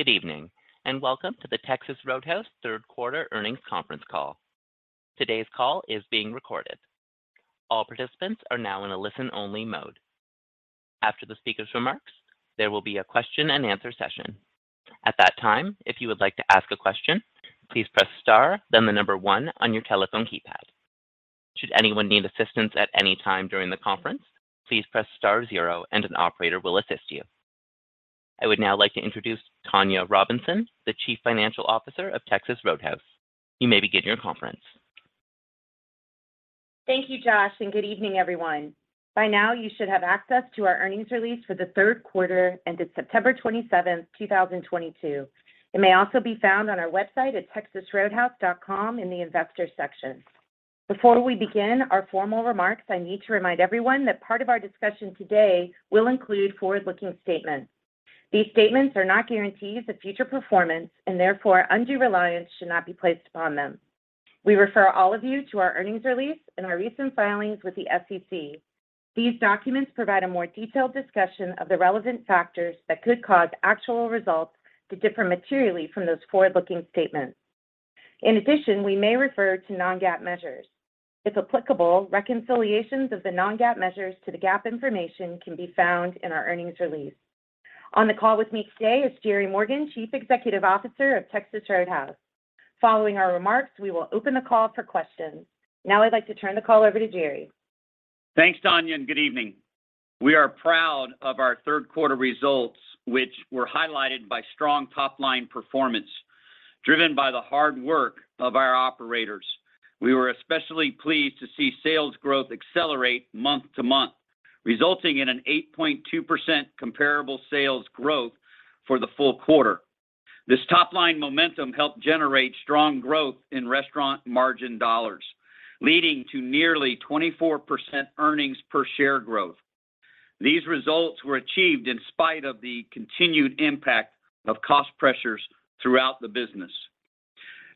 Good evening, and welcome to the Texas Roadhouse third quarter earnings conference call. Today's call is being recorded. All participants are now in a listen-only mode. After the speaker's remarks, there will be a question-and-answer session. At that time, if you would like to ask a question, please press star then the number one on your telephone keypad. Should anyone need assistance at any time during the conference, please press star zero and an operator will assist you. I would now like to introduce Tonya Robinson, the Chief Financial Officer of Texas Roadhouse. You may begin your conference. Thank you, Josh, and good evening, everyone. By now, you should have access to our earnings release for the third quarter ended September 27th, 2022. It may also be found on our website at texasroadhouse.com in the investor section. Before we begin our formal remarks, I need to remind everyone that part of our discussion today will include forward-looking statements. These statements are not guarantees of future performance, and therefore, undue reliance should not be placed upon them. We refer all of you to our earnings release and our recent filings with the SEC. These documents provide a more detailed discussion of the relevant factors that could cause actual results to differ materially from those forward-looking statements. In addition, we may refer to non-GAAP measures. If applicable, reconciliations of the non-GAAP measures to the GAAP information can be found in our earnings release. On the call with me today is Jerry Morgan, Chief Executive Officer of Texas Roadhouse. Following our remarks, we will open the call for questions. Now I'd like to turn the call over to Jerry. Thanks, Tonya, and good evening. We are proud of our third quarter results, which were highlighted by strong top-line performance driven by the hard work of our operators. We were especially pleased to see sales growth accelerate month-to-month, resulting in an 8.2% comparable sales growth for the full quarter. This top-line momentum helped generate strong growth in restaurant margin dollars, leading to nearly 24% earnings per share growth. These results were achieved in spite of the continued impact of cost pressures throughout the business.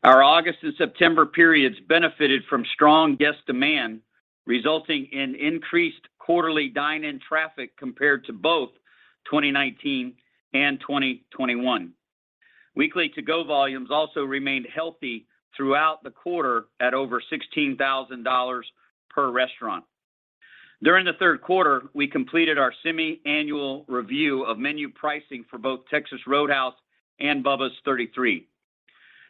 Our August and September periods benefited from strong guest demand, resulting in increased quarterly dine-in traffic compared to both 2019 and 2021. Weekly to-go volumes also remained healthy throughout the quarter at over $16,000 per restaurant. During the third quarter, we completed our semi-annual review of menu pricing for both Texas Roadhouse and Bubba's 33.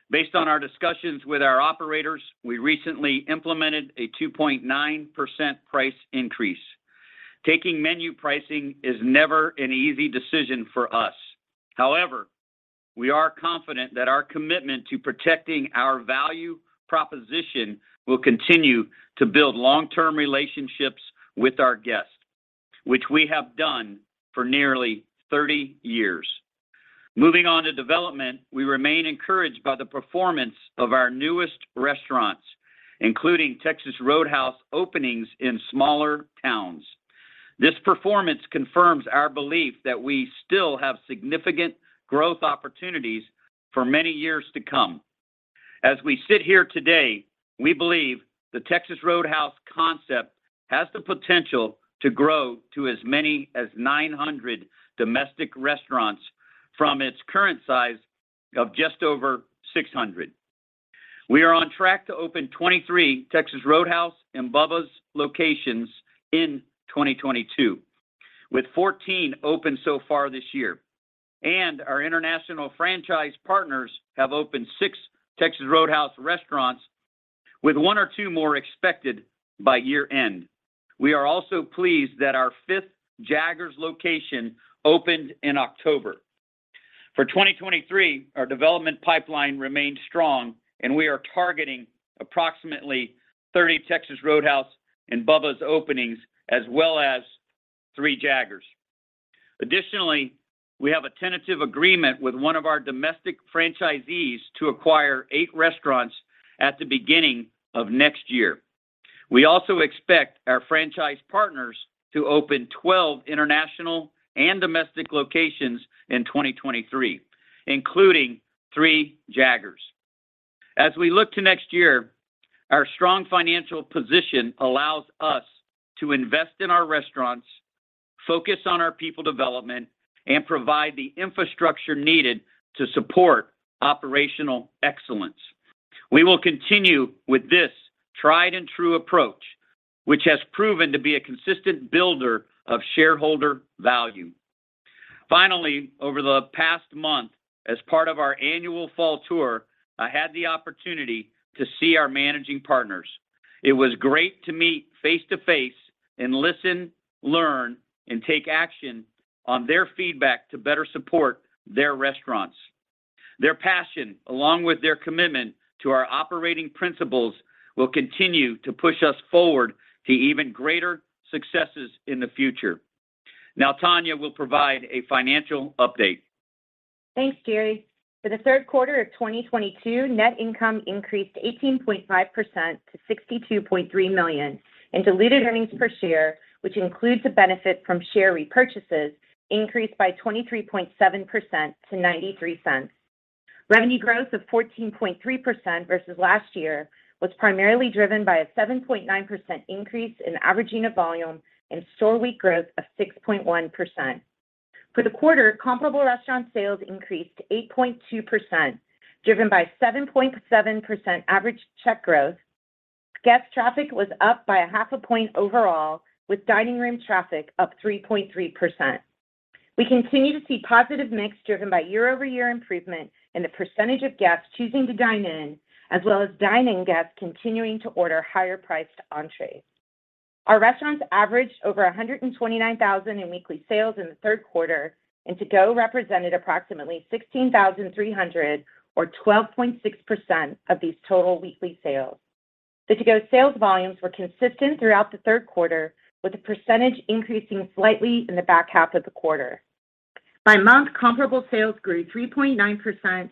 Based on our discussions with our operators, we recently implemented a 2.9% price increase. Taking menu pricing is never an easy decision for us. However, we are confident that our commitment to protecting our value proposition will continue to build long-term relationships with our guests, which we have done for nearly 30 years. Moving on to development, we remain encouraged by the performance of our newest restaurants, including Texas Roadhouse openings in smaller towns. This performance confirms our belief that we still have significant growth opportunities for many years to come. As we sit here today, we believe the Texas Roadhouse concept has the potential to grow to as many as 900 domestic restaurants from its current size of just over 600. We are on track to open 23 Texas Roadhouse and Bubba's locations in 2022, with 14 open so far this year. Our international franchise partners have opened six Texas Roadhouse restaurants with one or two more expected by year-end. We are also pleased that our fifth Jaggers location opened in October. For 2023, our development pipeline remains strong, and we are targeting approximately 30 Texas Roadhouse and Bubba's openings, as well as three Jaggers. Additionally, we have a tentative agreement with one of our domestic franchisees to acquire eight restaurants at the beginning of next year. We also expect our franchise partners to open 12 international and domestic locations in 2023, including three Jaggers. As we look to next year, our strong financial position allows us to invest in our restaurants, focus on our people development, and provide the infrastructure needed to support operational excellence. We will continue with this tried and true approach, which has proven to be a consistent builder of shareholder value. Finally, over the past month, as part of our annual fall tour, I had the opportunity to see our managing partners. It was great to meet face to face and listen, learn, and take action on their feedback to better support their restaurants. Their passion, along with their commitment to our operating principles, will continue to push us forward to even greater successes in the future. Now Tonya will provide a financial update. Thanks, Jerry. For the third quarter of 2022, net income increased 18.5% to $62.3 million and diluted earnings per share, which includes the benefit from share repurchases, increased by 23.7% to $0.93. Revenue growth of 14.3% versus last year was primarily driven by a 7.9% increase in average volume and store week growth of 6.1%. For the quarter, comparable restaurant sales increased to 8.2%, driven by 7.7% average check growth. Guest traffic was up by 0.5 point overall, with dining room traffic up 3.3%. We continue to see positive mix driven by year-over-year improvement in the percentage of guests choosing to dine in, as well as dine-in guests continuing to order higher priced entrees. Our restaurants averaged over $129,000 in weekly sales in the third quarter, and to-go represented approximately $16,300 or 12.6% of these total weekly sales. The to-go sales volumes were consistent throughout the third quarter, with the percentage increasing slightly in the back half of the quarter. By month, comparable sales grew 3.9%,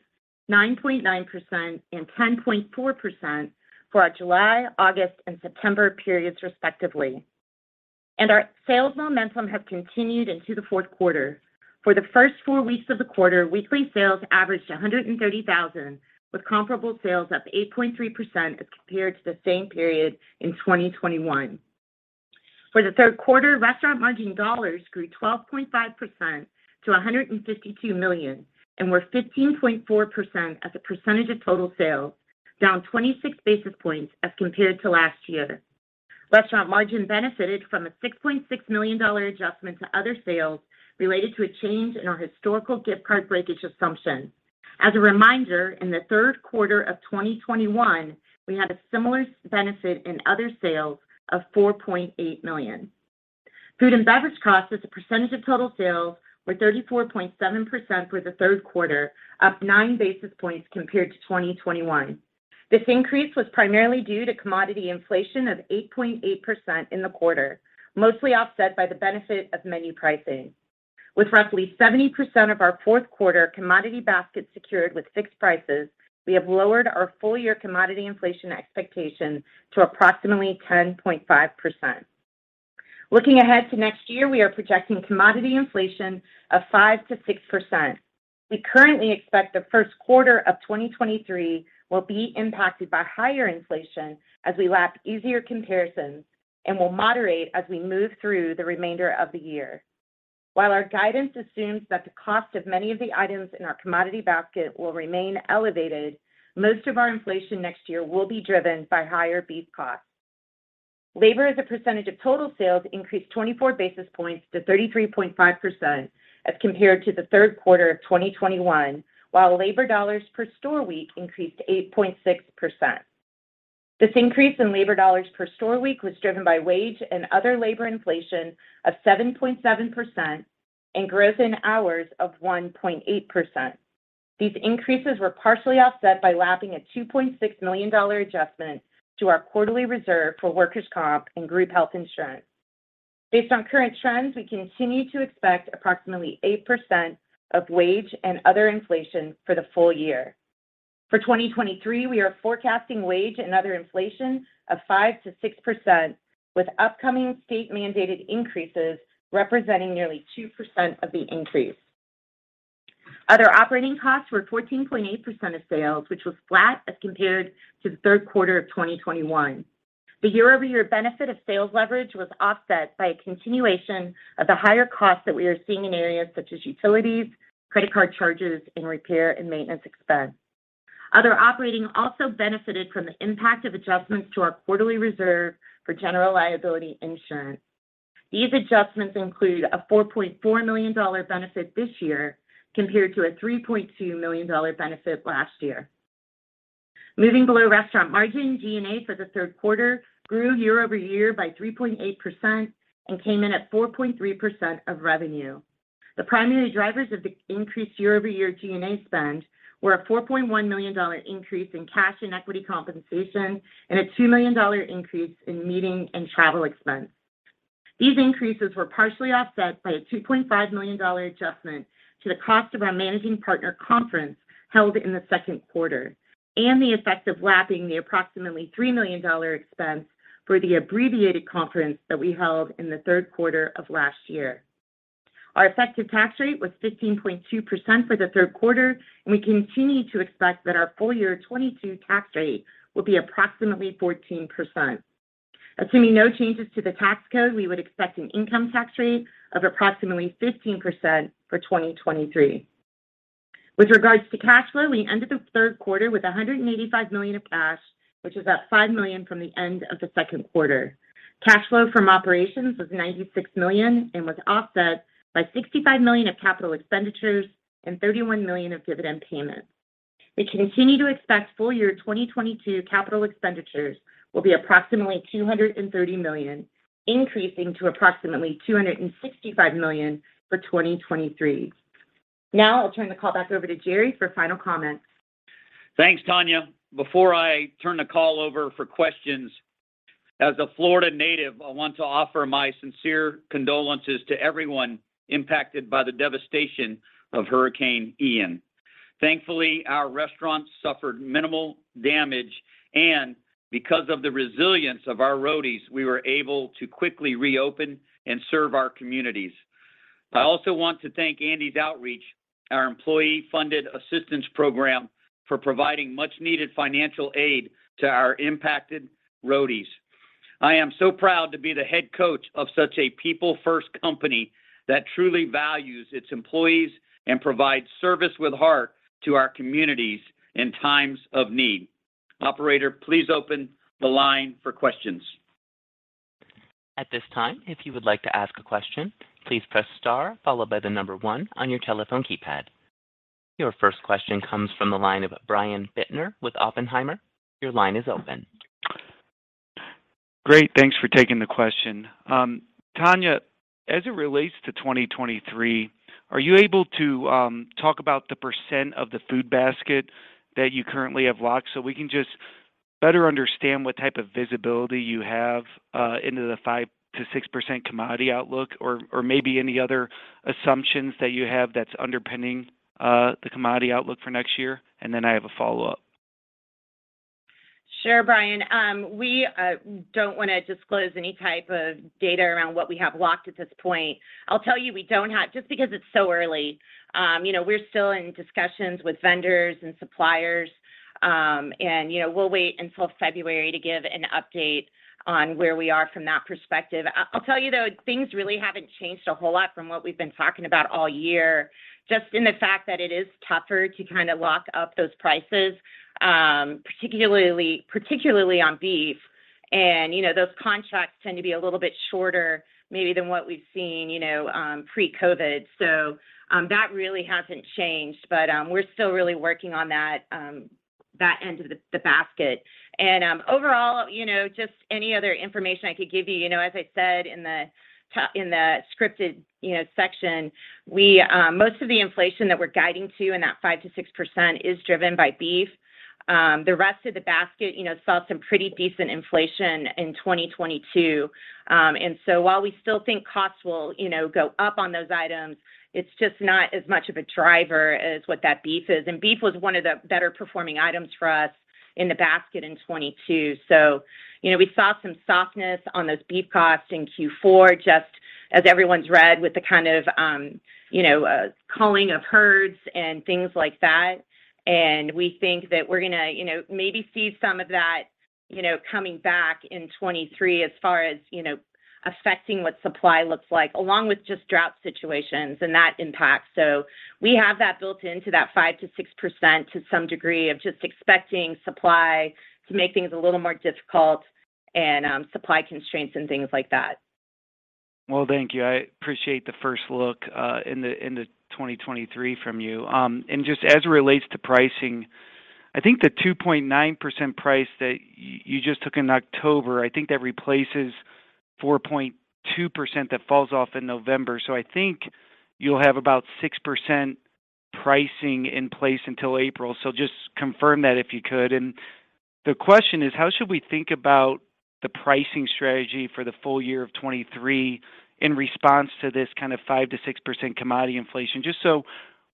9.9%, and 10.4% for our July, August, and September periods, respectively. Our sales momentum have continued into the fourth quarter. For the first four weeks of the quarter, weekly sales averaged $130,000, with comparable sales up 8.3% as compared to the same period in 2021. For the third quarter, restaurant margin dollars grew 12.5% to $152 million and were 15.4% as a percentage of total sales, down 26 basis points as compared to last year. Restaurant margin benefited from a $6.6 million adjustment to other sales related to a change in our historical gift card breakage assumption. As a reminder, in the third quarter of 2021, we had a similar benefit in other sales of $4.8 million. Food and beverage costs as a percentage of total sales were 34.7% for the third quarter, up 9 basis points compared to 2021. This increase was primarily due to commodity inflation of 8.8% in the quarter, mostly offset by the benefit of menu pricing. With roughly 70% of our fourth quarter commodity basket secured with fixed prices, we have lowered our full year commodity inflation expectation to approximately 10.5%. Looking ahead to next year, we are projecting commodity inflation of 5%-6%. We currently expect the first quarter of 2023 will be impacted by higher inflation as we lap easier comparisons and will moderate as we move through the remainder of the year. While our guidance assumes that the cost of many of the items in our commodity basket will remain elevated, most of our inflation next year will be driven by higher beef costs. Labor as a percentage of total sales increased 24 basis points to 33.5% as compared to the third quarter of 2021, while labor dollars per store week increased 8.6%. This increase in labor dollars per store week was driven by wage and other labor inflation of 7.7% and growth in hours of 1.8%. These increases were partially offset by lapping a $2.6 million adjustment to our quarterly reserve for workers' comp and group health insurance. Based on current trends, we continue to expect approximately 8% of wage and other inflation for the full year. For 2023, we are forecasting wage and other inflation of 5%-6% with upcoming state mandated increases representing nearly 2% of the increase. Other operating costs were 14.8% of sales, which was flat as compared to the third quarter of 2021. The year-over-year benefit of sales leverage was offset by a continuation of the higher costs that we are seeing in areas such as utilities, credit card charges, and repair and maintenance expense. Other operating also benefited from the impact of adjustments to our quarterly reserve for general liability insurance. These adjustments include a $4.4 million benefit this year compared to a $3.2 million benefit last year. Moving below restaurant margin, G&A for the third quarter grew year over year by 3.8% and came in at 4.3% of revenue. The primary drivers of the increased year-over-year G&A spend were a $4.1 million increase in cash and equity compensation and a $2 million increase in meeting and travel expense. These increases were partially offset by a $2.5 million adjustment to the cost of our managing partner conference held in the second quarter and the effect of lapping the approximately $3 million expense for the abbreviated conference that we held in the third quarter of last year. Our effective tax rate was 15.2% for the third quarter, and we continue to expect that our full year 2022 tax rate will be approximately 14%. Assuming no changes to the tax code, we would expect an income tax rate of approximately 15% for 2023. With regards to cash flow, we ended the third quarter with $185 million of cash, which is up $5 million from the end of the second quarter. Cash flow from operations was $96 million and was offset by $65 million of capital expenditures and $31 million of dividend payments. We continue to expect full year 2022 capital expenditures will be approximately $230 million, increasing to approximately $265 million for 2023. Now I'll turn the call back over to Jerry for final comments. Thanks, Tonya. Before I turn the call over for questions, as a Florida native, I want to offer my sincere condolences to everyone impacted by the devastation of Hurricane Ian. Thankfully, our restaurants suffered minimal damage, and because of the resilience of our Roadies, we were able to quickly reopen and serve our communities. I also want to thank Andy's Outreach, our employee-funded assistance program, for providing much-needed financial aid to our impacted Roadies. I am so proud to be the head coach of such a people-first company that truly values its employees and provides service with heart to our communities in times of need. Operator, please open the line for questions. At this time, if you would like to ask a question, please press star followed by the number one on your telephone keypad. Your first question comes from the line of Brian Bittner with Oppenheimer. Your line is open. Great. Thanks for taking the question. Tonya, as it relates to 2023, are you able to talk about the percent of the food basket that you currently have locked so we can just better understand what type of visibility you have into the 5%-6% commodity outlook or maybe any other assumptions that you have that's underpinning the commodity outlook for next year? I have a follow-up. Sure, Brian. We don't wanna disclose any type of data around what we have locked at this point. I'll tell you, just because it's so early, you know, we're still in discussions with vendors and suppliers, and, you know, we'll wait until February to give an update on where we are from that perspective. I'll tell you, though, things really haven't changed a whole lot from what we've been talking about all year, just in the fact that it is tougher to kind of lock up those prices, particularly on beef. You know, those contracts tend to be a little bit shorter maybe than what we've seen, you know, pre-COVID. That really hasn't changed, but we're still really working on that end of the basket. Overall, you know, just any other information I could give you know, as I said in the scripted, you know, section, we most of the inflation that we're guiding to in that 5%-6% is driven by beef. The rest of the basket, you know, saw some pretty decent inflation in 2022. And so while we still think costs will, you know, go up on those items, it's just not as much of a driver as what that beef is. Beef was one of the better-performing items for us in the basket in 2022. You know, we saw some softness on those beef costs in Q4, just as everyone's read with the kind of, you know, culling of herds and things like that. We think that we're gonna, you know, maybe see some of that, you know, coming back in 2023 as far as, you know, affecting what supply looks like, along with just drought situations and that impact. We have that built into that 5%-6% to some degree of just expecting supply to make things a little more difficult and supply constraints and things like that. Well, thank you. I appreciate the first look into 2023 from you. Just as it relates to pricing, I think the 2.9% price that you just took in October, I think that replaces 4.2% that falls off in November. I think you'll have about 6% pricing in place until April. Just confirm that if you could. The question is: how should we think about the pricing strategy for the full year of 2023 in response to this kind of 5%-6% commodity inflation, just so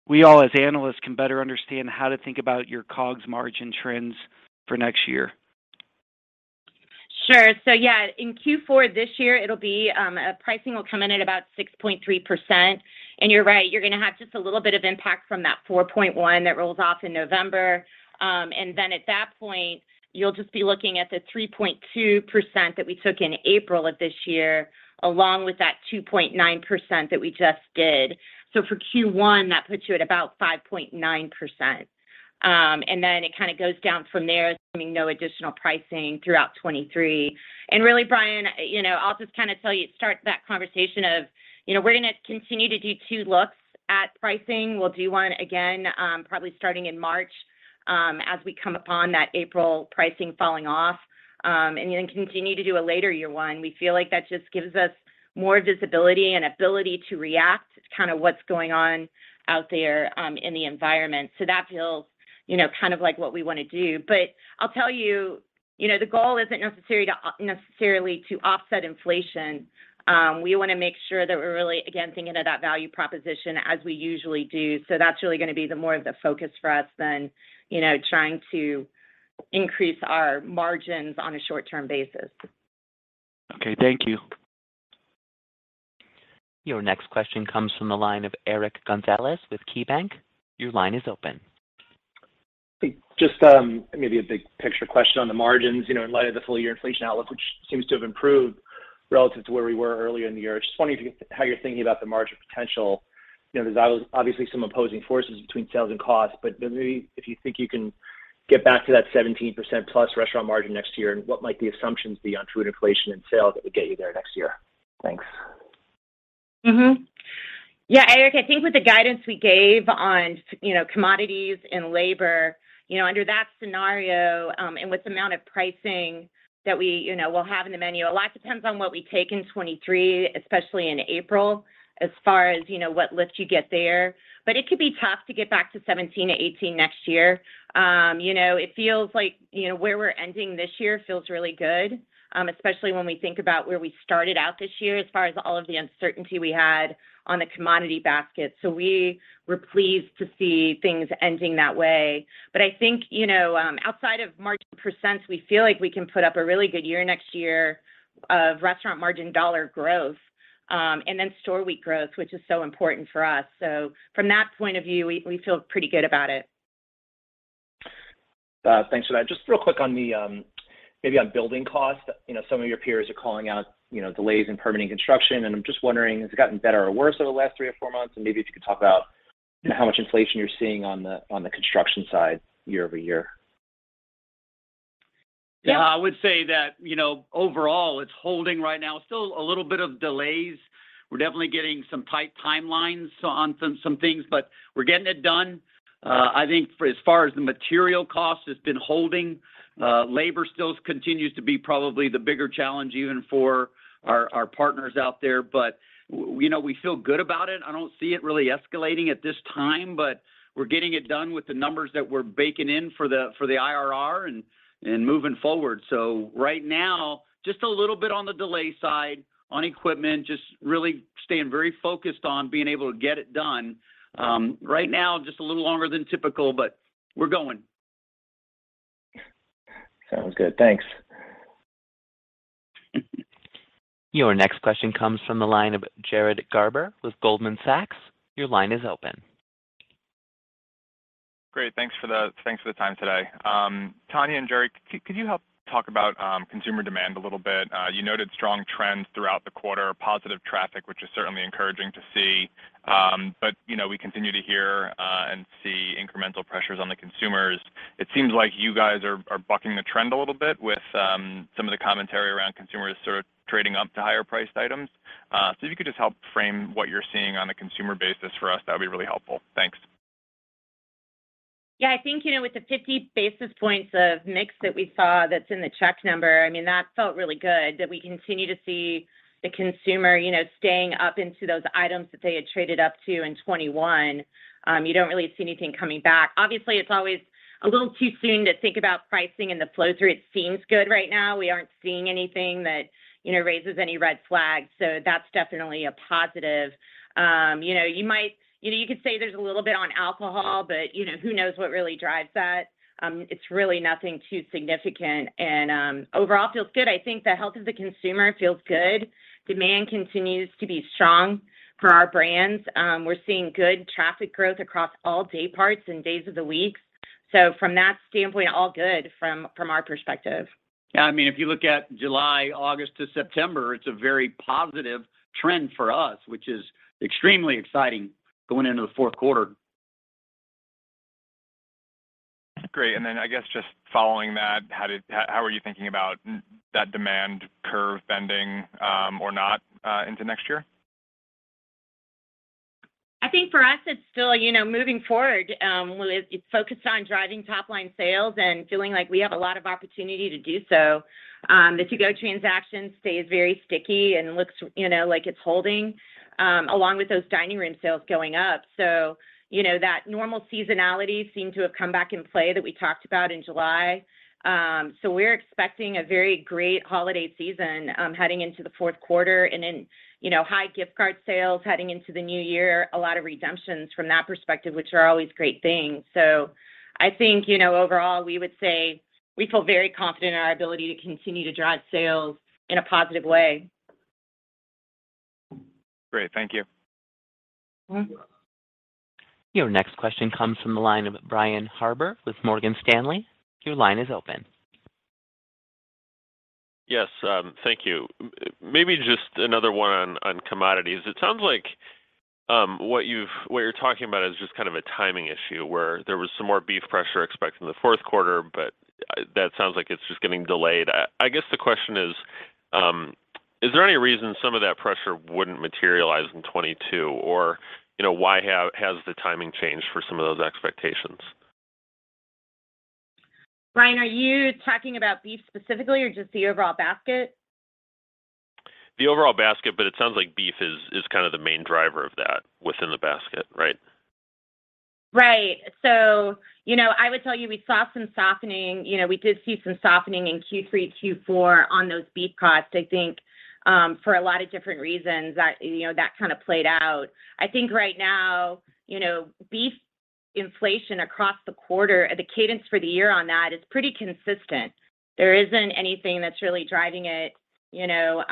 we all, as analysts, can better understand how to think about your COGS margin trends for next year? Sure. Yeah, in Q4 this year, it'll be pricing will come in at about 6.3%. You're right, you're gonna have just a little bit of impact from that 4.1% that rolls off in November. Then at that point, you'll just be looking at the 3.2% that we took in April of this year, along with that 2.9% that we just did. For Q1, that puts you at about 5.9%. Then it kind of goes down from there, assuming no additional pricing throughout 2023. Really, Brian, you know, I'll just kind of tell you, start that conversation of, you know, we're gonna continue to do two looks at pricing. We'll do one again, probably starting in March, as we come upon that April pricing falling off, and then continue to do a later year one. We feel like that just gives us more visibility and ability to react to kind of what's going on out there, in the environment. That feels, you know, kind of like what we wanna do. I'll tell you know, the goal isn't necessarily to offset inflation. We wanna make sure that we're really, again, thinking of that value proposition as we usually do. That's really gonna be the more of the focus for us than, you know, trying to increase our margins on a short-term basis. Okay, thank you. Your next question comes from the line of Eric Gonzalez with KeyBanc Capital Markets. Your line is open. Just, maybe a big picture question on the margins, you know, in light of the full year inflation outlook, which seems to have improved relative to where we were earlier in the year. Just wondering how you're thinking about the margin potential. You know, there's obviously some opposing forces between sales and costs, but maybe if you think you can get back to that 17% plus restaurant margin next year, and what might the assumptions be on throughput inflation and sales that would get you there next year? Thanks. Eric, I think with the guidance we gave on, you know, commodities and labor, you know, under that scenario, and with the amount of pricing that we, you know, will have in the menu, a lot depends on what we take in 2023, especially in April, as far as, you know, what lift you get there. But it could be tough to get back to 17%-18% next year. It feels like, you know, where we're ending this year feels really good, especially when we think about where we started out this year as far as all of the uncertainty we had on the commodity basket. We were pleased to see things ending that way. I think, you know, outside of margin percentages, we feel like we can put up a really good year next year of restaurant margin dollar growth, and then store week growth, which is so important for us. From that point of view, we feel pretty good about it. Thanks for that. Just real quick, maybe on building costs. You know, some of your peers are calling out, you know, delays in permitting construction, and I'm just wondering, has it gotten better or worse over the last three or four months? Maybe if you could talk about how much inflation you're seeing on the construction side year-over-year. Yeah, I would say that, you know, overall, it's holding right now. Still a little bit of delays. We're definitely getting some tight timelines on some things, but we're getting it done. I think for as far as the material cost, it's been holding. Labor still continues to be probably the bigger challenge even for our partners out there. But, you know, we feel good about it. I don't see it really escalating at this time, but we're getting it done with the numbers that we're baking in for the IRR and moving forward. Right now, just a little bit on the delay side on equipment, just really staying very focused on being able to get it done. Right now, just a little longer than typical, but we're going. Sounds good. Thanks. Your next question comes from the line of Jared Garber with Goldman Sachs. Your line is open. Great, thanks for the time today. Tonya and Jerry, could you help talk about consumer demand a little bit? You noted strong trends throughout the quarter, positive traffic, which is certainly encouraging to see. You know, we continue to hear and see incremental pressures on the consumers. It seems like you guys are bucking the trend a little bit with some of the commentary around consumers sort of trading up to higher priced items. If you could just help frame what you're seeing on a consumer basis for us, that would be really helpful. Thanks. Yeah, I think, you know, with the 50 basis points of mix that we saw that's in the check number, I mean, that felt really good that we continue to see the consumer, you know, staying up into those items that they had traded up to in 2021. You don't really see anything coming back. Obviously, it's always a little too soon to think about pricing and the flow-through. It seems good right now. We aren't seeing anything that, you know, raises any red flags, so that's definitely a positive. You know, you might, you know, you could say there's a little bit on alcohol, but, you know, who knows what really drives that. It's really nothing too significant. Overall feels good. I think the health of the consumer feels good. Demand continues to be strong for our brands. We're seeing good traffic growth across all day parts and days of the week. From that standpoint, all good from our perspective. Yeah, I mean, if you look at July, August to September, it's a very positive trend for us, which is extremely exciting going into the fourth quarter. Great. I guess just following that, how are you thinking about that demand curve bending, or not, into next year? I think for us it's still, you know, moving forward, it's focused on driving top-line sales and feeling like we have a lot of opportunity to do so. The to-go transaction stays very sticky and looks, you know, like it's holding, along with those dining room sales going up. You know, that normal seasonality seemed to have come back in play that we talked about in July. We're expecting a very great holiday season, heading into the fourth quarter and then, you know, high gift card sales heading into the new year, a lot of redemptions from that perspective, which are always great things. I think, you know, overall, we would say we feel very confident in our ability to continue to drive sales in a positive way. Great. Thank you. Mm-hmm. Your next question comes from the line of Brian Harbour with Morgan Stanley. Your line is open. Yes, thank you. Maybe just another one on commodities. It sounds like what you're talking about is just kind of a timing issue, where there was some more beef pressure expected in the fourth quarter, but that sounds like it's just getting delayed. I guess the question is there any reason some of that pressure wouldn't materialize in 2022? Or, you know, why has the timing changed for some of those expectations? Brian, are you talking about beef specifically or just the overall basket? The overall basket, but it sounds like beef is kind of the main driver of that within the basket, right? Right. You know, I would tell you we saw some softening. You know, we did see some softening in Q3, Q4 on those beef costs. I think, for a lot of different reasons that, you know, that kind of played out. I think right now, you know, beef inflation across the quarter, the cadence for the year on that is pretty consistent. There isn't anything that's really driving it. You know,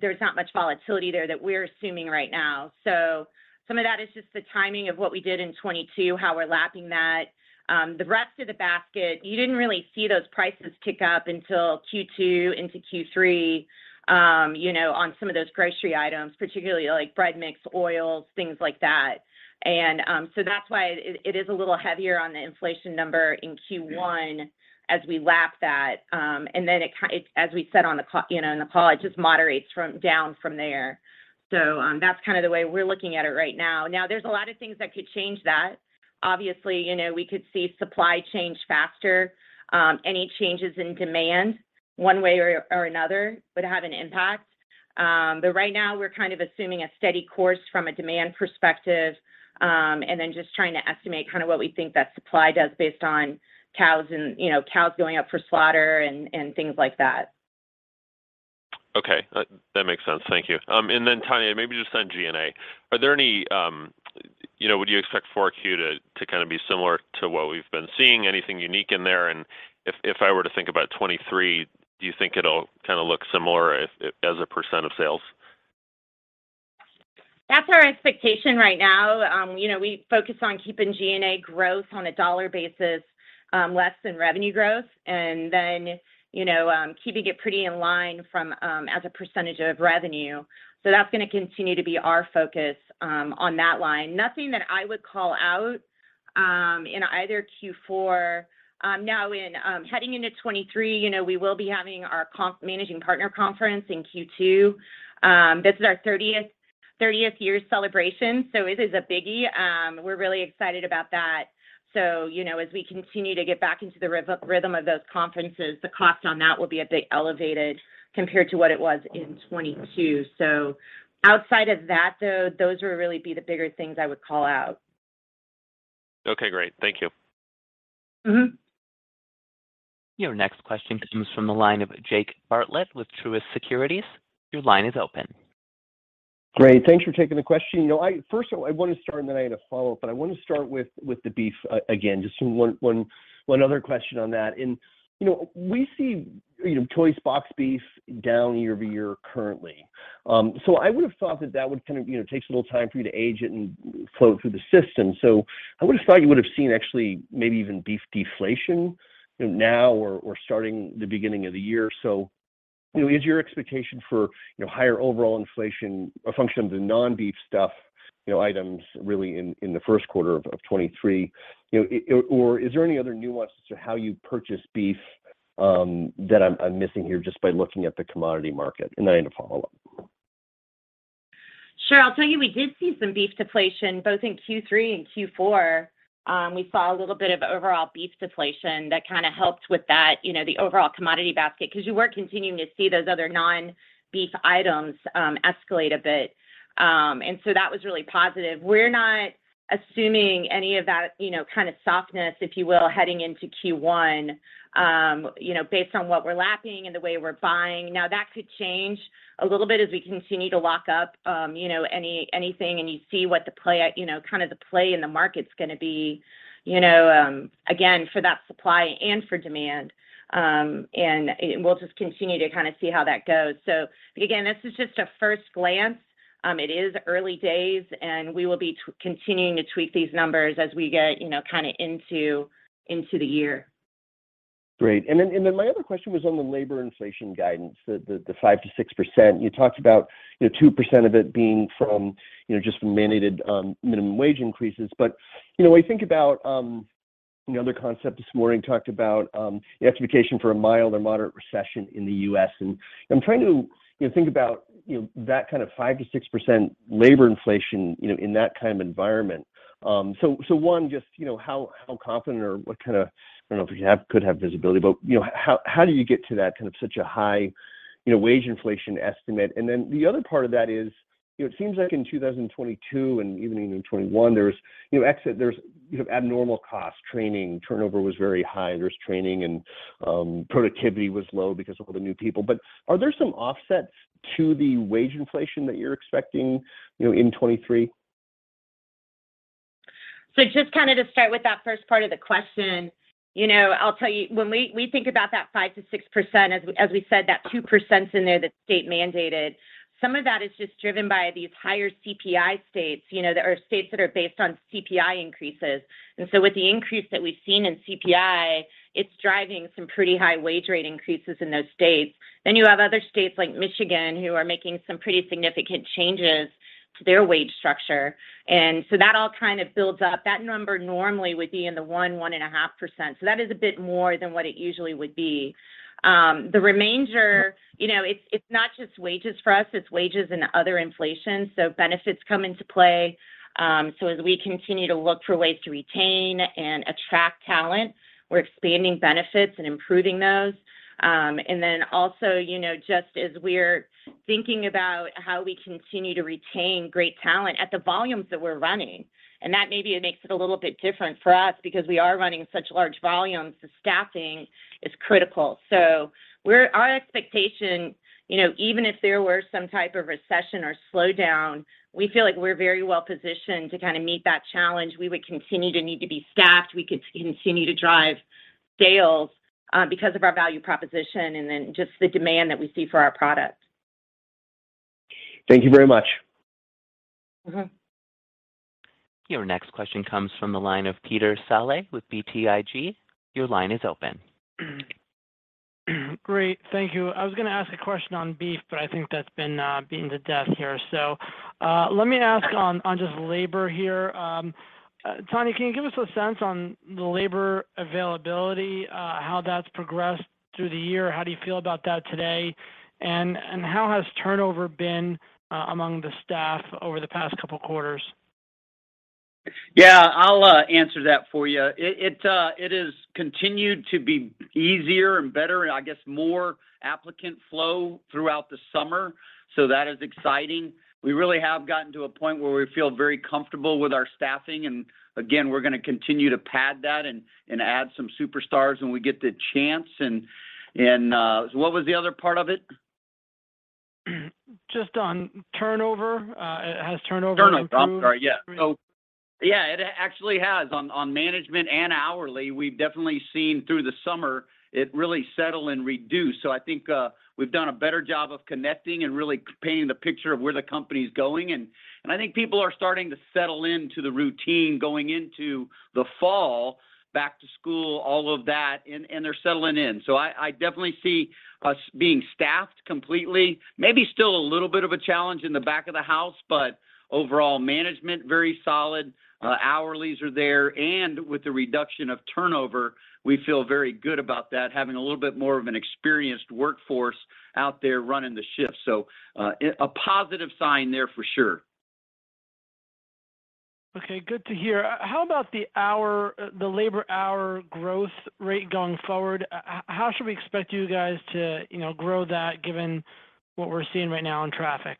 there's not much volatility there that we're assuming right now. Some of that is just the timing of what we did in 2022, how we're lapping that. The rest of the basket, you didn't really see those prices kick up until Q2 into Q3, you know, on some of those grocery items, particularly like bread mix, oils, things like that. That's why it is a little heavier on the inflation number in Q1 as we lap that. Then it as we said on the call, it just moderates from there. That's kind of the way we're looking at it right now. Now, there's a lot of things that could change that. Obviously, you know, we could see supply change faster. Any changes in demand one way or another would have an impact. But right now we're kind of assuming a steady course from a demand perspective, and then just trying to estimate kind of what we think that supply does based on cows and, you know, cows going up for slaughter and things like that. Okay. That makes sense. Thank you. Tonya, maybe just on G&A. Are there any, you know, would you expect 4Q to kind of be similar to what we've been seeing? Anything unique in there? If I were to think about 2023, do you think it'll kind of look similar if as a percent of sales? That's our expectation right now. You know, we focus on keeping G&A growth on a dollar basis, less than revenue growth. You know, keeping it pretty in line from, as a percentage of revenue. That's gonna continue to be our focus, on that line. Nothing that I would call out, in either Q4. Now in, heading into 2023, you know, we will be having our managing partner conference in Q2. This is our 30th year celebration, it is a biggie. We're really excited about that. You know, as we continue to get back into the rhythm of those conferences, the cost on that will be a bit elevated compared to what it was in 2022. Outside of that though, those would really be the bigger things I would call out. Okay, great. Thank you. Mm-hmm. Your next question comes from the line of Jake Bartlett with Truist Securities. Your line is open. Great. Thanks for taking the question. You know, first of all, I wanna start, and then I had a follow-up, but I wanna start with the beef again, just from one other question on that. You know, we see Choice boxed beef down year-over-year currently. I would've thought that would kind of, you know, it takes a little time for you to age it and flow through the system. I would've thought you would've seen actually maybe even beef deflation now or starting the beginning of the year. You know, is your expectation for higher overall inflation a function of the non-beef stuff, you know, items really in the first quarter of 2023?You know, or is there any other nuance as to how you purchase beef, that I'm missing here just by looking at the commodity market? I had a follow-up. Sure. I'll tell you, we did see some beef deflation both in Q3 and Q4. We saw a little bit of overall beef deflation that kind of helped with that, you know, the overall commodity basket, because you were continuing to see those other non-beef items escalate a bit. That was really positive. We're not assuming any of that, you know, kind of softness, if you will, heading into Q1, you know, based on what we're lapping and the way we're buying. Now, that could change a little bit as we continue to lock up, you know, anything, and you see what the play, you know, kind of the play in the market's gonna be, you know, again, for that supply and for demand. We'll just continue to kind of see how that goes. Again, this is just a first glance. It is early days, and we will be continuing to tweak these numbers as we get, you know, kind of into the year. Great. My other question was on the labor inflation guidance, the 5%-6%. You talked about, you know, 2% of it being from, you know, just mandated minimum wage increases. You know, when you think about the other context this morning talked about the expectation for a mild or moderate recession in the U.S. I'm trying to, you know, think about that kind of 5%-6% labor inflation, you know, in that kind of environment. Just, you know, how confident or what kind of visibility you could have, but, you know, how do you get to that kind of such a high wage inflation estimate? The other part of that is, you know, it seems like in 2022 and even in 2021, there's, you know, abnormal cost, training, turnover was very high. There's training and productivity was low because of all the new people. Are there some offsets to the wage inflation that you're expecting, you know, in 2023? Just kind of to start with that first part of the question, you know, I'll tell you, when we think about that 5%-6%, as we said, that 2%'s in there that's state mandated. Some of that is just driven by these higher CPI states. You know, there are states that are based on CPI increases. And so with the increase that we've seen in CPI, it's driving some pretty high wage rate increases in those states. Then you have other states like Michigan, who are making some pretty significant changes to their wage structure. And so that all kind of builds up. That number normally would be in the 1-1.5%, so that is a bit more than what it usually would be. The remainder, you know, it's not just wages for us, it's wages and other inflation, so benefits come into play. As we continue to look for ways to retain and attract talent, we're expanding benefits and improving those. Then also, you know, just as we're thinking about how we continue to retain great talent at the volumes that we're running, and that maybe makes it a little bit different for us because we are running such large volumes, the staffing is critical. Our expectation, you know, even if there were some type of recession or slowdown, we feel like we're very well positioned to kind of meet that challenge. We would continue to need to be staffed. We could continue to drive sales because of our value proposition and then just the demand that we see for our products. Thank you very much. Mm-hmm. Your next question comes from the line of Peter Saleh with BTIG. Your line is open. Great. Thank you. I was gonna ask a question on beef, but I think that's been beaten to death here. Let me ask on just labor here. Tony, can you give us a sense on the labor availability, how that's progressed through the year? How do you feel about that today? And how has turnover been among the staff over the past couple quarters? Yeah, I'll answer that for you. It has continued to be easier and better, and I guess more applicant flow throughout the summer, so that is exciting. We really have gotten to a point where we feel very comfortable with our staffing. Again, we're gonna continue to pad that and add some superstars when we get the chance. What was the other part of it? Just on turnover. Has turnover improved? Turnover. I'm sorry, yeah. Great. Yeah, it actually has. On management and hourly, we've definitely seen through the summer it really settle and reduce. I think we've done a better job of connecting and really painting the picture of where the company's going. I think people are starting to settle into the routine going into the fall, back to school, all of that, and they're settling in. I definitely see us being staffed completely. Maybe still a little bit of a challenge in the back of the house, but overall management very solid. Hourlies are there, and with the reduction of turnover, we feel very good about that, having a little bit more of an experienced workforce out there running the shift. A positive sign there for sure. Okay. Good to hear. How about the hours, the labor hours growth rate going forward? How should we expect you guys to, you know, grow that given what we're seeing right now in traffic?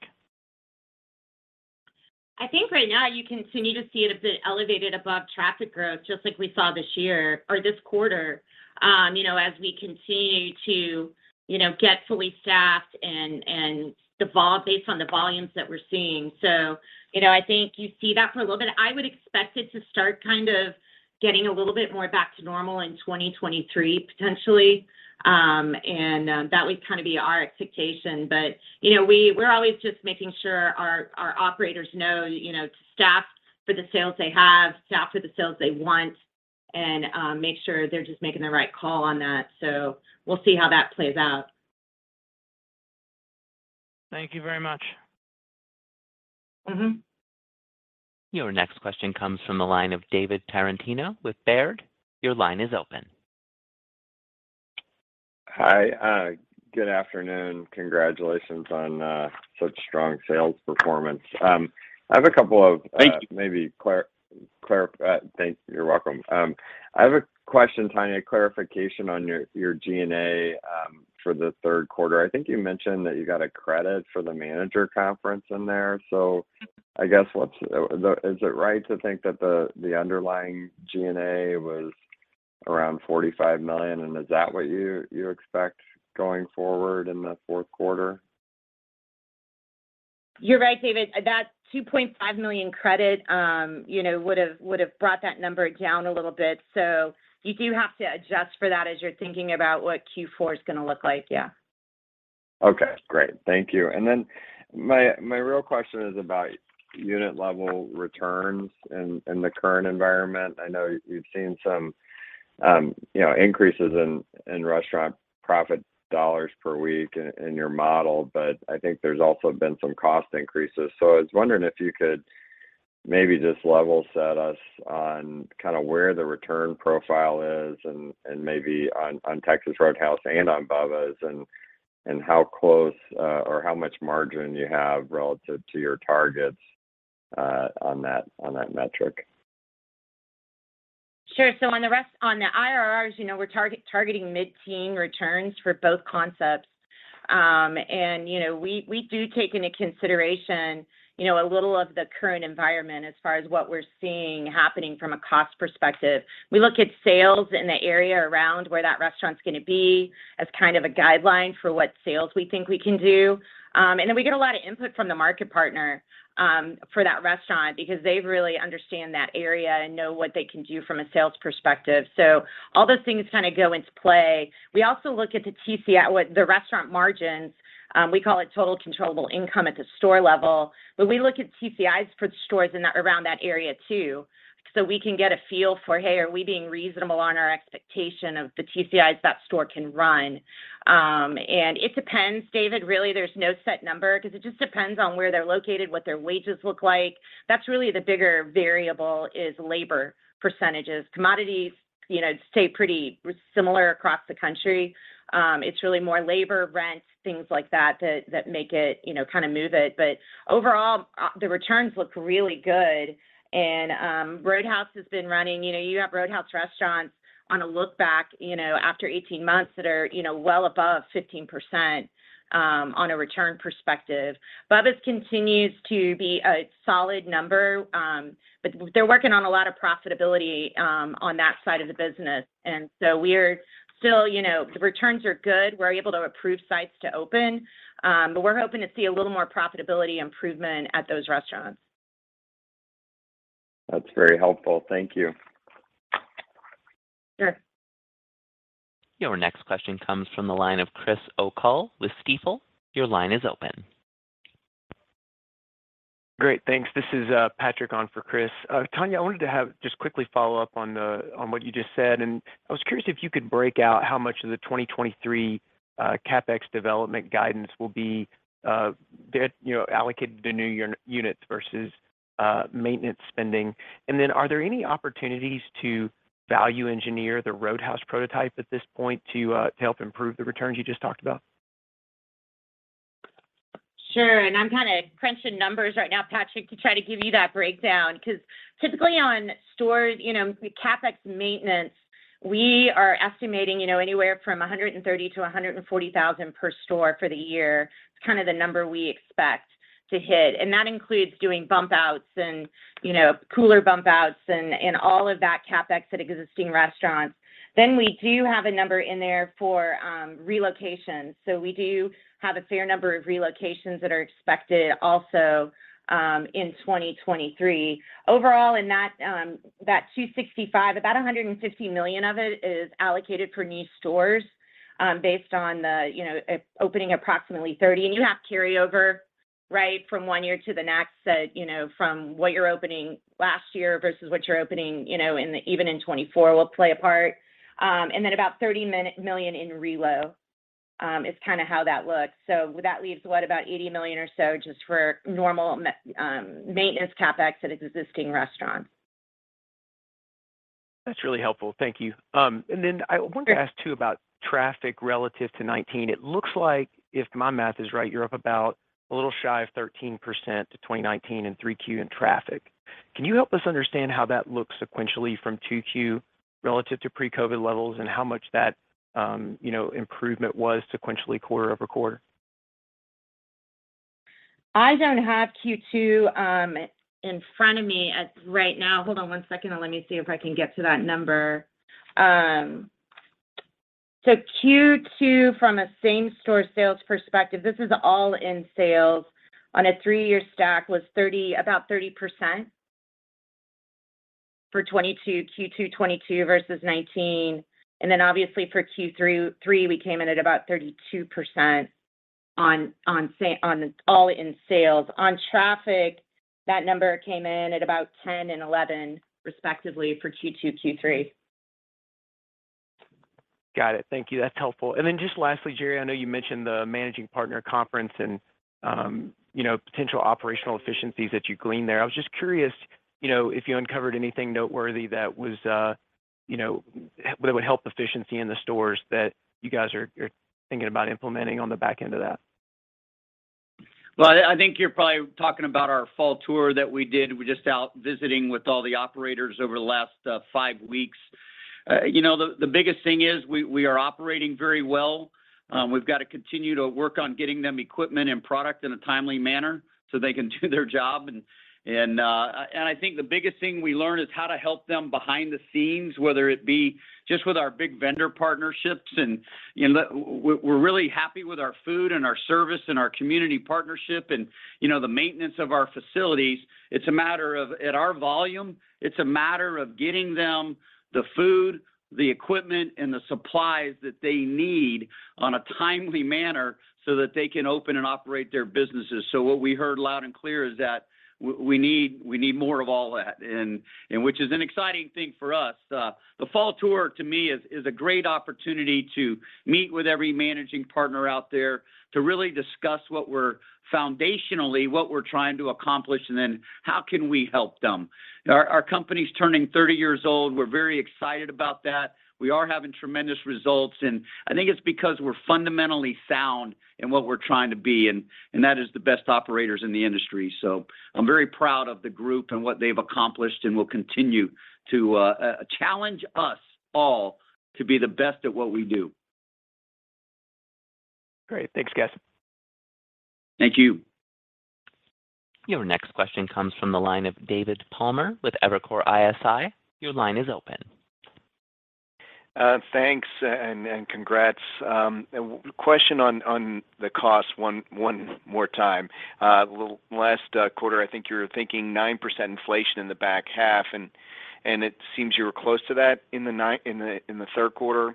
I think right now you continue to see it a bit elevated above traffic growth, just like we saw this year or this quarter, you know, as we continue to, you know, get fully staffed and evolve based on the volumes that we're seeing. You know, I think you see that for a little bit. I would expect it to start kind of getting a little bit more back to normal in 2023, potentially, and that would kind of be our expectation. You know, we're always just making sure our operators know, you know, to staff for the sales they have, staff for the sales they want, and make sure they're just making the right call on that. We'll see how that plays out. Thank you very much. Mm-hmm. Your next question comes from the line of David Tarantino with Baird. Your line is open. Hi. Good afternoon. Congratulations on such strong sales performance. I have a couple of- Thank you. Thank you. You're welcome. I have a question, Tonya, clarification on your G&A for the third quarter. I think you mentioned that you got a credit for the manager conference in there. I guess, is it right to think that the underlying G&A was around $45 million, and is that what you expect going forward in the fourth quarter? You're right, David. That $2.5 million credit, you know, would've brought that number down a little bit. You do have to adjust for that as you're thinking about what Q4 is gonna look like. Yeah. Okay, great. Thank you. My real question is about unit level returns in the current environment. I know you've seen some, you know, increases in restaurant profit dollars per week in your model, but I think there's also been some cost increases. I was wondering if you could maybe just level set us on kind of where the return profile is and maybe on Texas Roadhouse and on Bubba's and how close or how much margin you have relative to your targets on that metric. Sure. On the IRRs, you know, we're targeting mid-teen returns for both concepts. You know, we do take into consideration, you know, a little of the current environment as far as what we're seeing happening from a cost perspective. We look at sales in the area around where that restaurant's gonna be as kind of a guideline for what sales we think we can do. We get a lot of input from the market partner for that restaurant because they really understand that area and know what they can do from a sales perspective. All those things kind of go into play. We also look at the TCI, what the restaurant margins, we call it total controllable income at the store level. We look at TCIs for the stores in that area too, so we can get a feel for, hey, are we being reasonable on our expectation of the TCIs that store can run? It depends, David, really, there's no set number because it just depends on where they're located, what their wages look like. That's really the bigger variable is labor percentages. Commodities, you know, stay pretty similar across the country. It's really more labor, rent, things like that make it, you know, kind of move it. Overall, the returns look really good and Roadhouse has been running. You know, you have Roadhouse restaurants on a look back, you know, after 18 months that are, you know, well above 15%, on a return perspective. Bubba's continues to be a solid number, but they're working on a lot of profitability, on that side of the business. We're still, you know, the returns are good. We're able to approve sites to open, but we're hoping to see a little more profitability improvement at those restaurants. That's very helpful. Thank you. Sure. Your next question comes from the line of Chris O'Cull with Stifel. Your line is open. Great. Thanks. This is Patrick on for Chris. Tonya, I wanted to have just quickly follow up on on what you just said, and I was curious if you could break out how much of the 2023 CapEx development guidance will be you know allocated to new units versus maintenance spending. Are there any opportunities to value engineer the Roadhouse prototype at this point to help improve the returns you just talked about? Sure. I'm kind of crunching numbers right now, Patrick, to try to give you that breakdown. because typically on stores, you know, CapEx maintenance, we are estimating, you know, anywhere from $130,000 to $140,000 per store for the year. It's kind of the number we expect to hit, and that includes doing bump outs and, you know, cooler bump outs and all of that CapEx at existing restaurants. We do have a number in there for relocation. We do have a fair number of relocations that are expected also in 2023. Overall in that $265 million, about $150 million of it is allocated for new stores, based on the, you know, opening approximately 30. You have carryover, right, from one year to the next that, you know, from what you're opening last year versus what you're opening, you know, in the even in 2024 will play a part. Then about $30 million in relo is kind of how that looks. That leaves what about $80 million or so just for normal maintenance CapEx at existing restaurants. That's really helpful. Thank you. I wanted to ask too about traffic relative to 2019. It looks like if my math is right, you're up about a little shy of 13% to 2019 in 3Q in traffic. Can you help us understand how that looks sequentially from 2Q relative to pre-COVID levels and how much that, you know, improvement was sequentially quarter-over-quarter? I don't have Q2 in front of me right now. Hold on one second and let me see if I can get to that number. So Q2 from a same-store sales perspective, this is all in sales on a three-year stack was 30, about 30% for 2022, Q2 2022 versus 2019. Then obviously for Q3, we came in at about 32% on all in sales. On traffic, that number came in at about 10 and 11 respectively for Q2, Q3. Got it. Thank you. That's helpful. Just lastly, Jerry, I know you mentioned the managing partner conference and, you know, potential operational efficiencies that you gleaned there. I was just curious, you know, if you uncovered anything noteworthy that was, you know, that would help efficiency in the stores that you guys are thinking about implementing on the back end of that. I think you're probably talking about our fall tour that we did. We're just out visiting with all the operators over the last five weeks. You know, the biggest thing is we are operating very well. We've got to continue to work on getting them equipment and product in a timely manner so they can do their job. I think the biggest thing we learn is how to help them behind the scenes, whether it be just with our big vendor partnerships. You know, we're really happy with our food and our service and our community partnership and the maintenance of our facilities. It's a matter of, at our volume, getting them the food, the equipment, and the supplies that they need on a timely manner so that they can open and operate their businesses. What we heard loud and clear is that we need more of all that and which is an exciting thing for us. The fall tour to me is a great opportunity to meet with every managing partner out there to really discuss what we're trying to accomplish, and then how can we help them. Our company's turning 30 years old. We're very excited about that. We are having tremendous results, and I think it's because we're fundamentally sound in what we're trying to be, and that is the best operators in the industry. I'm very proud of the group and what they've accomplished, and will continue to challenge us all to be the best at what we do. Great. Thanks, guys. Thank you. Your next question comes from the line of David Palmer with Evercore ISI. Your line is open. Thanks and congrats. A question on the cost one more time. Last quarter, I think you're thinking 9% inflation in the back half, and it seems you were close to that in the third quarter.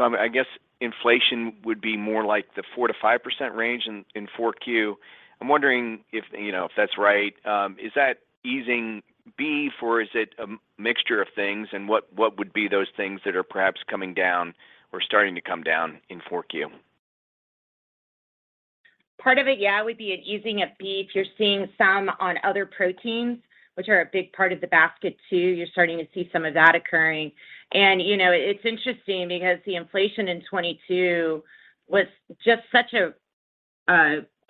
I guess inflation would be more like the 4%-5% range in 4Q. I'm wondering if, you know, if that's right. Is that easing beef or is it a mixture of things and what would be those things that are perhaps coming down or starting to come down in 4Q? Part of it, yeah, would be an easing of beef. You're seeing some on other proteins, which are a big part of the basket too. You're starting to see some of that occurring. You know, it's interesting because the inflation in 2022 was just such a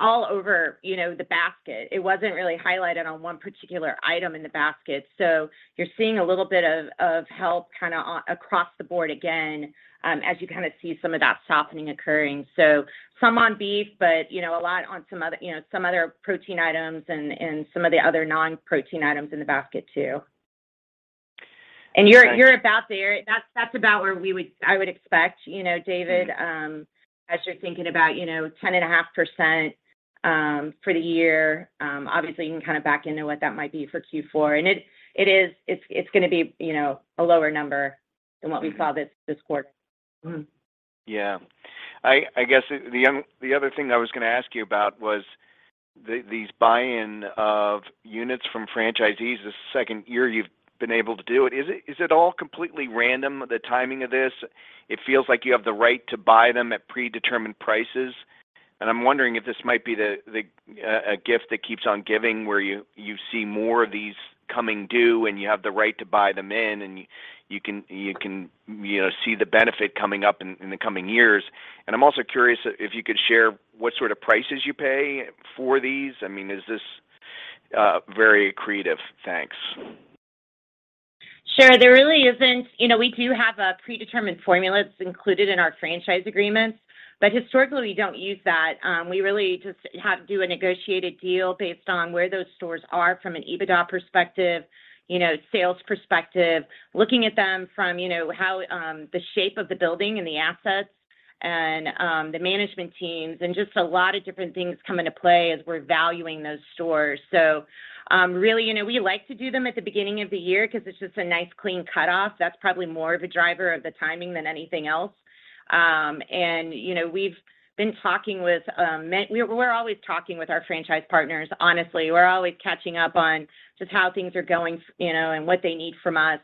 all over, you know, the basket. It wasn't really highlighted on one particular item in the basket. You're seeing a little bit of help kind of across the board again, as you kind of see some of that softening occurring. Some on beef, but you know, a lot on some other, you know, some other protein items and some of the other non-protein items in the basket too. You're about there. That's about where I would expect, you know, David, as you're thinking about, you know, 10.5% for the year. Obviously, you can kind of back into what that might be for Q4. It is. It's gonna be, you know, a lower number than what we saw this quarter. Yeah. I guess the other thing I was gonna ask you about was the these buy-in of units from franchisees, this is the second year you've been able to do it. Is it all completely random, the timing of this? It feels like you have the right to buy them at predetermined prices. I'm wondering if this might be a gift that keeps on giving where you see more of these coming due and you have the right to buy them in and you can, you know, see the benefit coming up in the coming years. I'm also curious if you could share what sort of prices you pay for these. I mean, is this very accretive? Thanks. Sure. There really isn't. You know, we do have a predetermined formula that's included in our franchise agreements, but historically we don't use that. We really just have to do a negotiated deal based on where those stores are from an EBITDA perspective, you know, sales perspective, looking at them from, you know, how, the shape of the building and the assets and, the management teams, and just a lot of different things come into play as we're valuing those stores. Really, you know, we like to do them at the beginning of the year because it's just a nice clean cutoff. That's probably more of a driver of the timing than anything else. You know, we've been talking with. We're always talking with our franchise partners, honestly. We're always catching up on just how things are going, you know, and what they need from us.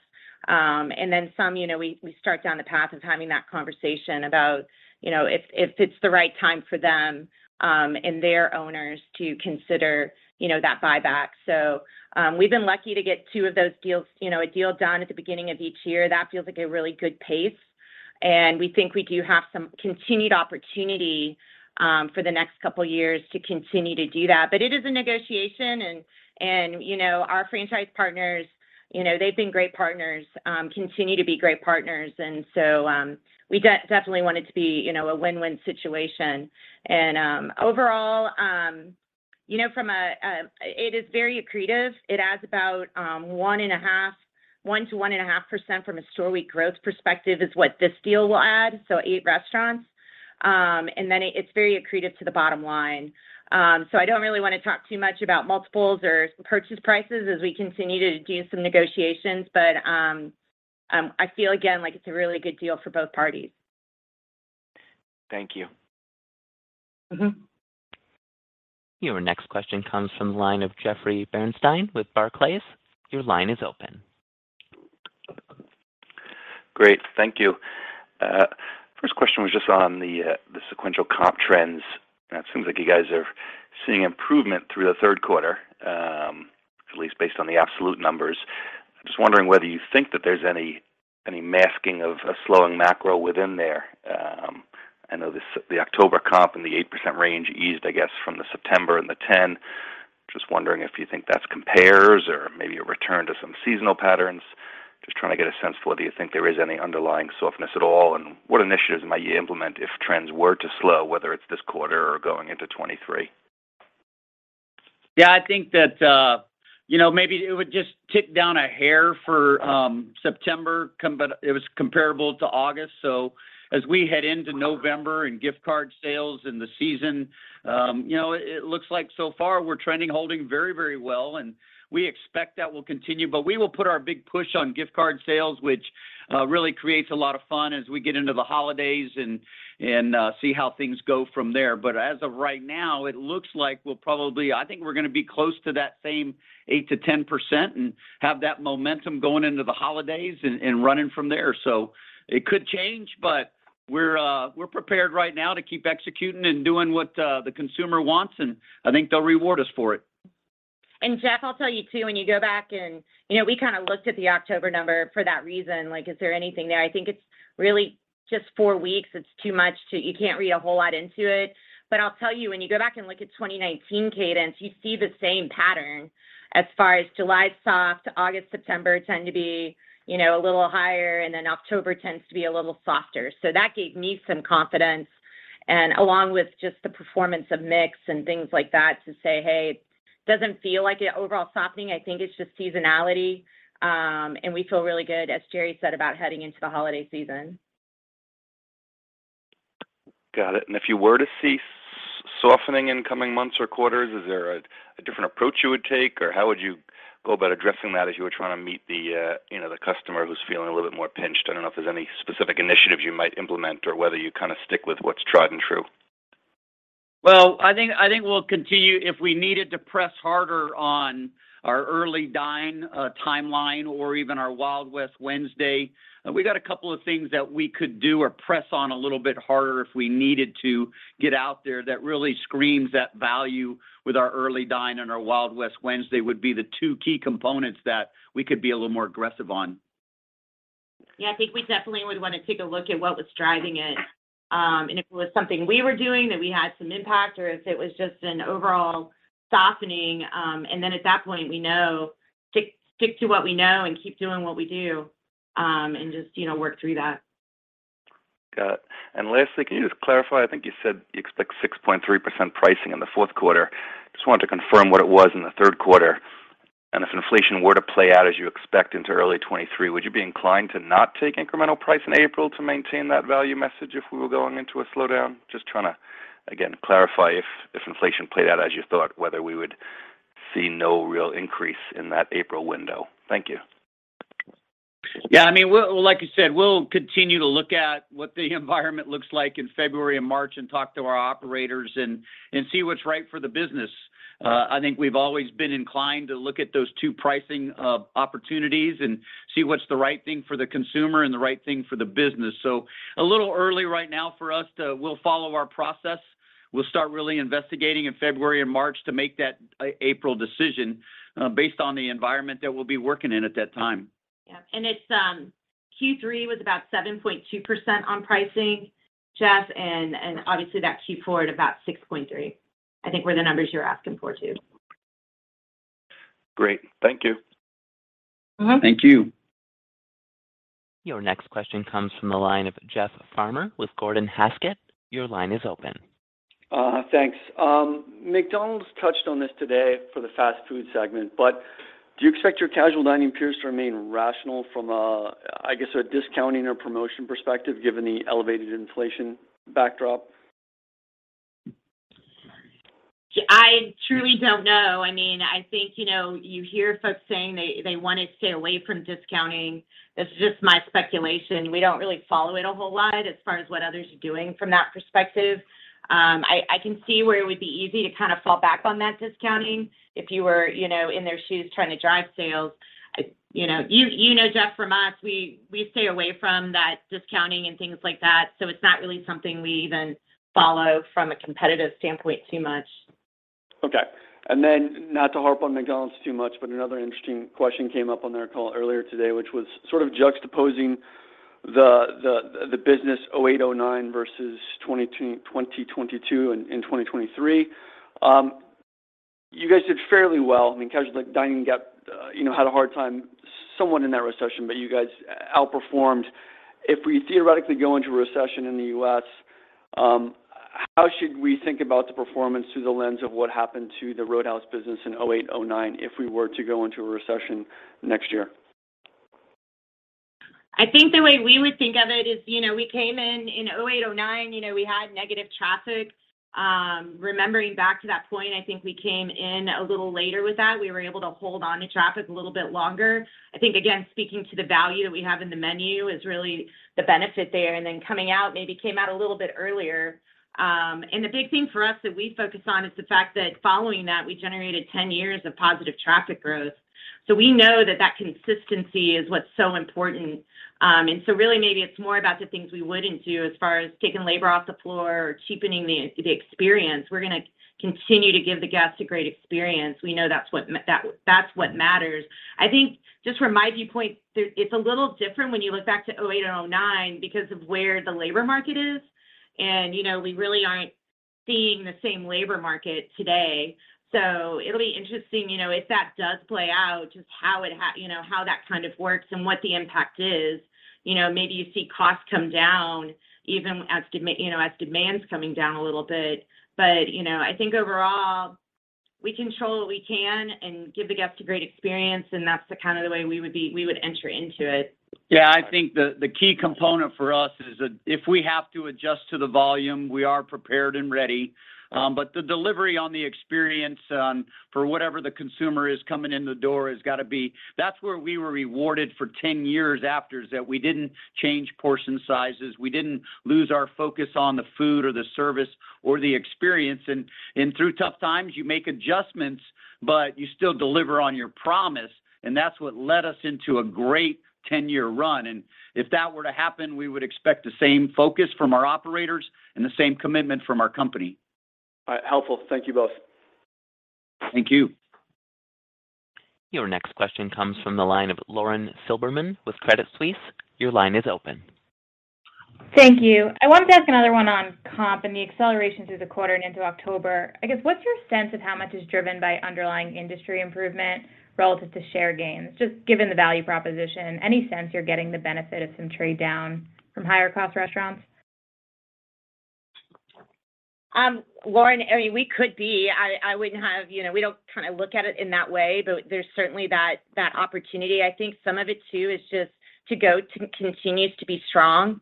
And then some, you know, we start down the path of having that conversation about, you know, if it's the right time for them and their owners to consider, you know, that buyback. We've been lucky to get two of those deals, you know, a deal done at the beginning of each year. That feels like a really good pace, and we think we do have some continued opportunity for the next couple years to continue to do that. It is a negotiation and, you know, our franchise partners, you know, they've been great partners, continue to be great partners and so, we definitely want it to be, you know, a win-win situation. Overall, you know, it is very accretive. It adds about 1-1.5% from a store week growth perspective is what this deal will add, so eight restaurants. It's very accretive to the bottom line. I don't really wanna talk too much about multiples or purchase prices as we continue to do some negotiations, but I feel again like it's a really good deal for both parties. Thank you. Mm-hmm. Your next question comes from the line of Jeffrey Bernstein with Barclays. Your line is open. Great. Thank you. First question was just on the sequential comp trends. It seems like you guys are seeing improvement through the third quarter, at least based on the absolute numbers. I'm just wondering whether you think that there's any masking of a slowing macro within there. I know the October comp in the 8% range eased, I guess, from the September and the 10%. Just wondering if you think that compares or maybe a return to some seasonal patterns. Just trying to get a sense for whether you think there is any underlying softness at all, and what initiatives might you implement if trends were to slow, whether it's this quarter or going into 2023. Yeah, I think that, you know, maybe it would just tick down a hair for September, but it was comparable to August, so as we head into November and gift card sales and the season, you know, it looks like so far we're trending holding very, very well, and we expect that will continue. We will put our big push on gift card sales, which really creates a lot of fun as we get into the holidays and see how things go from there. As of right now, it looks like we'll probably. I think we're gonna be close to that same 8%-10% and have that momentum going into the holidays and running from there. It could change, but we're prepared right now to keep executing and doing what the consumer wants, and I think they'll reward us for it. Jeff, I'll tell you too, when you go back and, you know, we kind of looked at the October number for that reason, like is there anything there? I think it's really just four weeks. You can't read a whole lot into it. I'll tell you, when you go back and look at 2019 cadence, you see the same pattern as far as July soft, August, September tend to be, you know, a little higher, and then October tends to be a little softer. That gave me some confidence and along with just the performance of mix and things like that to say, "Hey, doesn't feel like an overall softening." I think it's just seasonality, and we feel really good, as Jerry said, about heading into the holiday season. Got it. If you were to see softening in coming months or quarters, is there a different approach you would take, or how would you go about addressing that as you were trying to meet the, you know, the customer who's feeling a little bit more pinched? I don't know if there's any specific initiatives you might implement or whether you kind of stick with what's tried and true. Well, I think we'll continue, if we needed to press harder on our Early Dine timeline or even our Wild West Wednesday, we got a couple of things that we could do or press on a little bit harder if we needed to get out there that really screams that value with our Early Dine and our Wild West Wednesday would be the two key components that we could be a little more aggressive on. Yeah, I think we definitely would wanna take a look at what was driving it, and if it was something we were doing that we had some impact or if it was just an overall softening. At that point we know, stick to what we know and keep doing what we do, and just, you know, work through that. Got it. Lastly, can you just clarify, I think you said you expect 6.3% pricing in the fourth quarter. Just wanted to confirm what it was in the third quarter. If inflation were to play out as you expect into early 2023, would you be inclined to not take incremental price in April to maintain that value message if we were going into a slowdown? Just trying to, again, clarify if inflation played out as you thought, whether we would see no real increase in that April window. Thank you. Yeah, I mean, like you said, we'll continue to look at what the environment looks like in February and March and talk to our operators and see what's right for the business. I think we've always been inclined to look at those two pricing opportunities and see what's the right thing for the consumer and the right thing for the business. It's a little early right now. We'll follow our process. We'll start really investigating in February and March to make that April decision, based on the environment that we'll be working in at that time. Yeah. It's Q3 was about 7.2% on pricing. Jeff, and obviously that Q4 at about 6.3%, I think were the numbers you were asking for, too. Great. Thank you. Mm-hmm. Thank you. Your next question comes from the line of Jeff Farmer with Gordon Haskett. Your line is open. Thanks. McDonald's touched on this today for the fast food segment, but do you expect your casual dining peers to remain rational from a, I guess, a discounting or promotion perspective given the elevated inflation backdrop? I truly don't know. I mean, I think, you know, you hear folks saying they wanna stay away from discounting. It's just my speculation. We don't really follow it a whole lot as far as what others are doing from that perspective. I can see where it would be easy to kind of fall back on that discounting if you were, you know, in their shoes trying to drive sales. You know, Jeff, from us, we stay away from that discounting and things like that, so it's not really something we even follow from a competitive standpoint too much. Okay. Not to harp on McDonald's too much, but another interesting question came up on their call earlier today, which was sort of juxtaposing the business 2008, 2009 versus 2022 and 2023. You guys did fairly well. I mean, casual, like, dining had a hard time somewhat in that recession, but you guys outperformed. If we theoretically go into a recession in the U.S., how should we think about the performance through the lens of what happened to the Roadhouse business in 2008, 2009 if we were to go into a recession next year? I think the way we would think of it is, you know, we came in in 2008, 2009, you know, we had negative traffic. Remembering back to that point, I think we came in a little later with that. We were able to hold onto traffic a little bit longer. I think, again, speaking to the value that we have in the menu is really the benefit there, and then coming out, maybe came out a little bit earlier. The big thing for us that we focus on is the fact that following that, we generated 10 years of positive traffic growth. We know that that consistency is what's so important. Really maybe it's more about the things we wouldn't do as far as taking labor off the floor or cheapening the experience. We're gonna continue to give the guests a great experience. We know that's what matters. I think just from my viewpoint, it's a little different when you look back to 2008 and 2009 because of where the labor market is, and, you know, we really aren't seeing the same labor market today. It'll be interesting, you know, if that does play out, just how you know, how that kind of works and what the impact is. You know, maybe you see costs come down even as you know, as demand's coming down a little bit. You know, I think overall, we control what we can and give the guests a great experience, and that's the kind of the way we would be, we would enter into it. Yeah. I think the key component for us is if we have to adjust to the volume, we are prepared and ready. But the delivery on the experience for whatever the consumer is coming in the door has go to be. That's where we were rewarded for ten years after is that we didn't change portion sizes, we didn't lose our focus on the food or the service or the experience. Through tough times, you make adjustments, but you still deliver on your promise, and that's what led us into a great ten-year run. If that were to happen, we would expect the same focus from our operators and the same commitment from our company. All right. Helpful. Thank you both. Thank you. Your next question comes from the line of Lauren Silberman with Credit Suisse. Your line is open. Thank you. I wanted to ask another one on comp and the acceleration through the quarter and into October. I guess, what's your sense of how much is driven by underlying industry improvement relative to share gains, just given the value proposition? Any sense you're getting the benefit of some trade down from higher cost restaurants? Lauren, I mean, we could be. You know, we don't kind of look at it in that way, but there's certainly that opportunity. I think some of it too is just to-go, too, continues to be strong.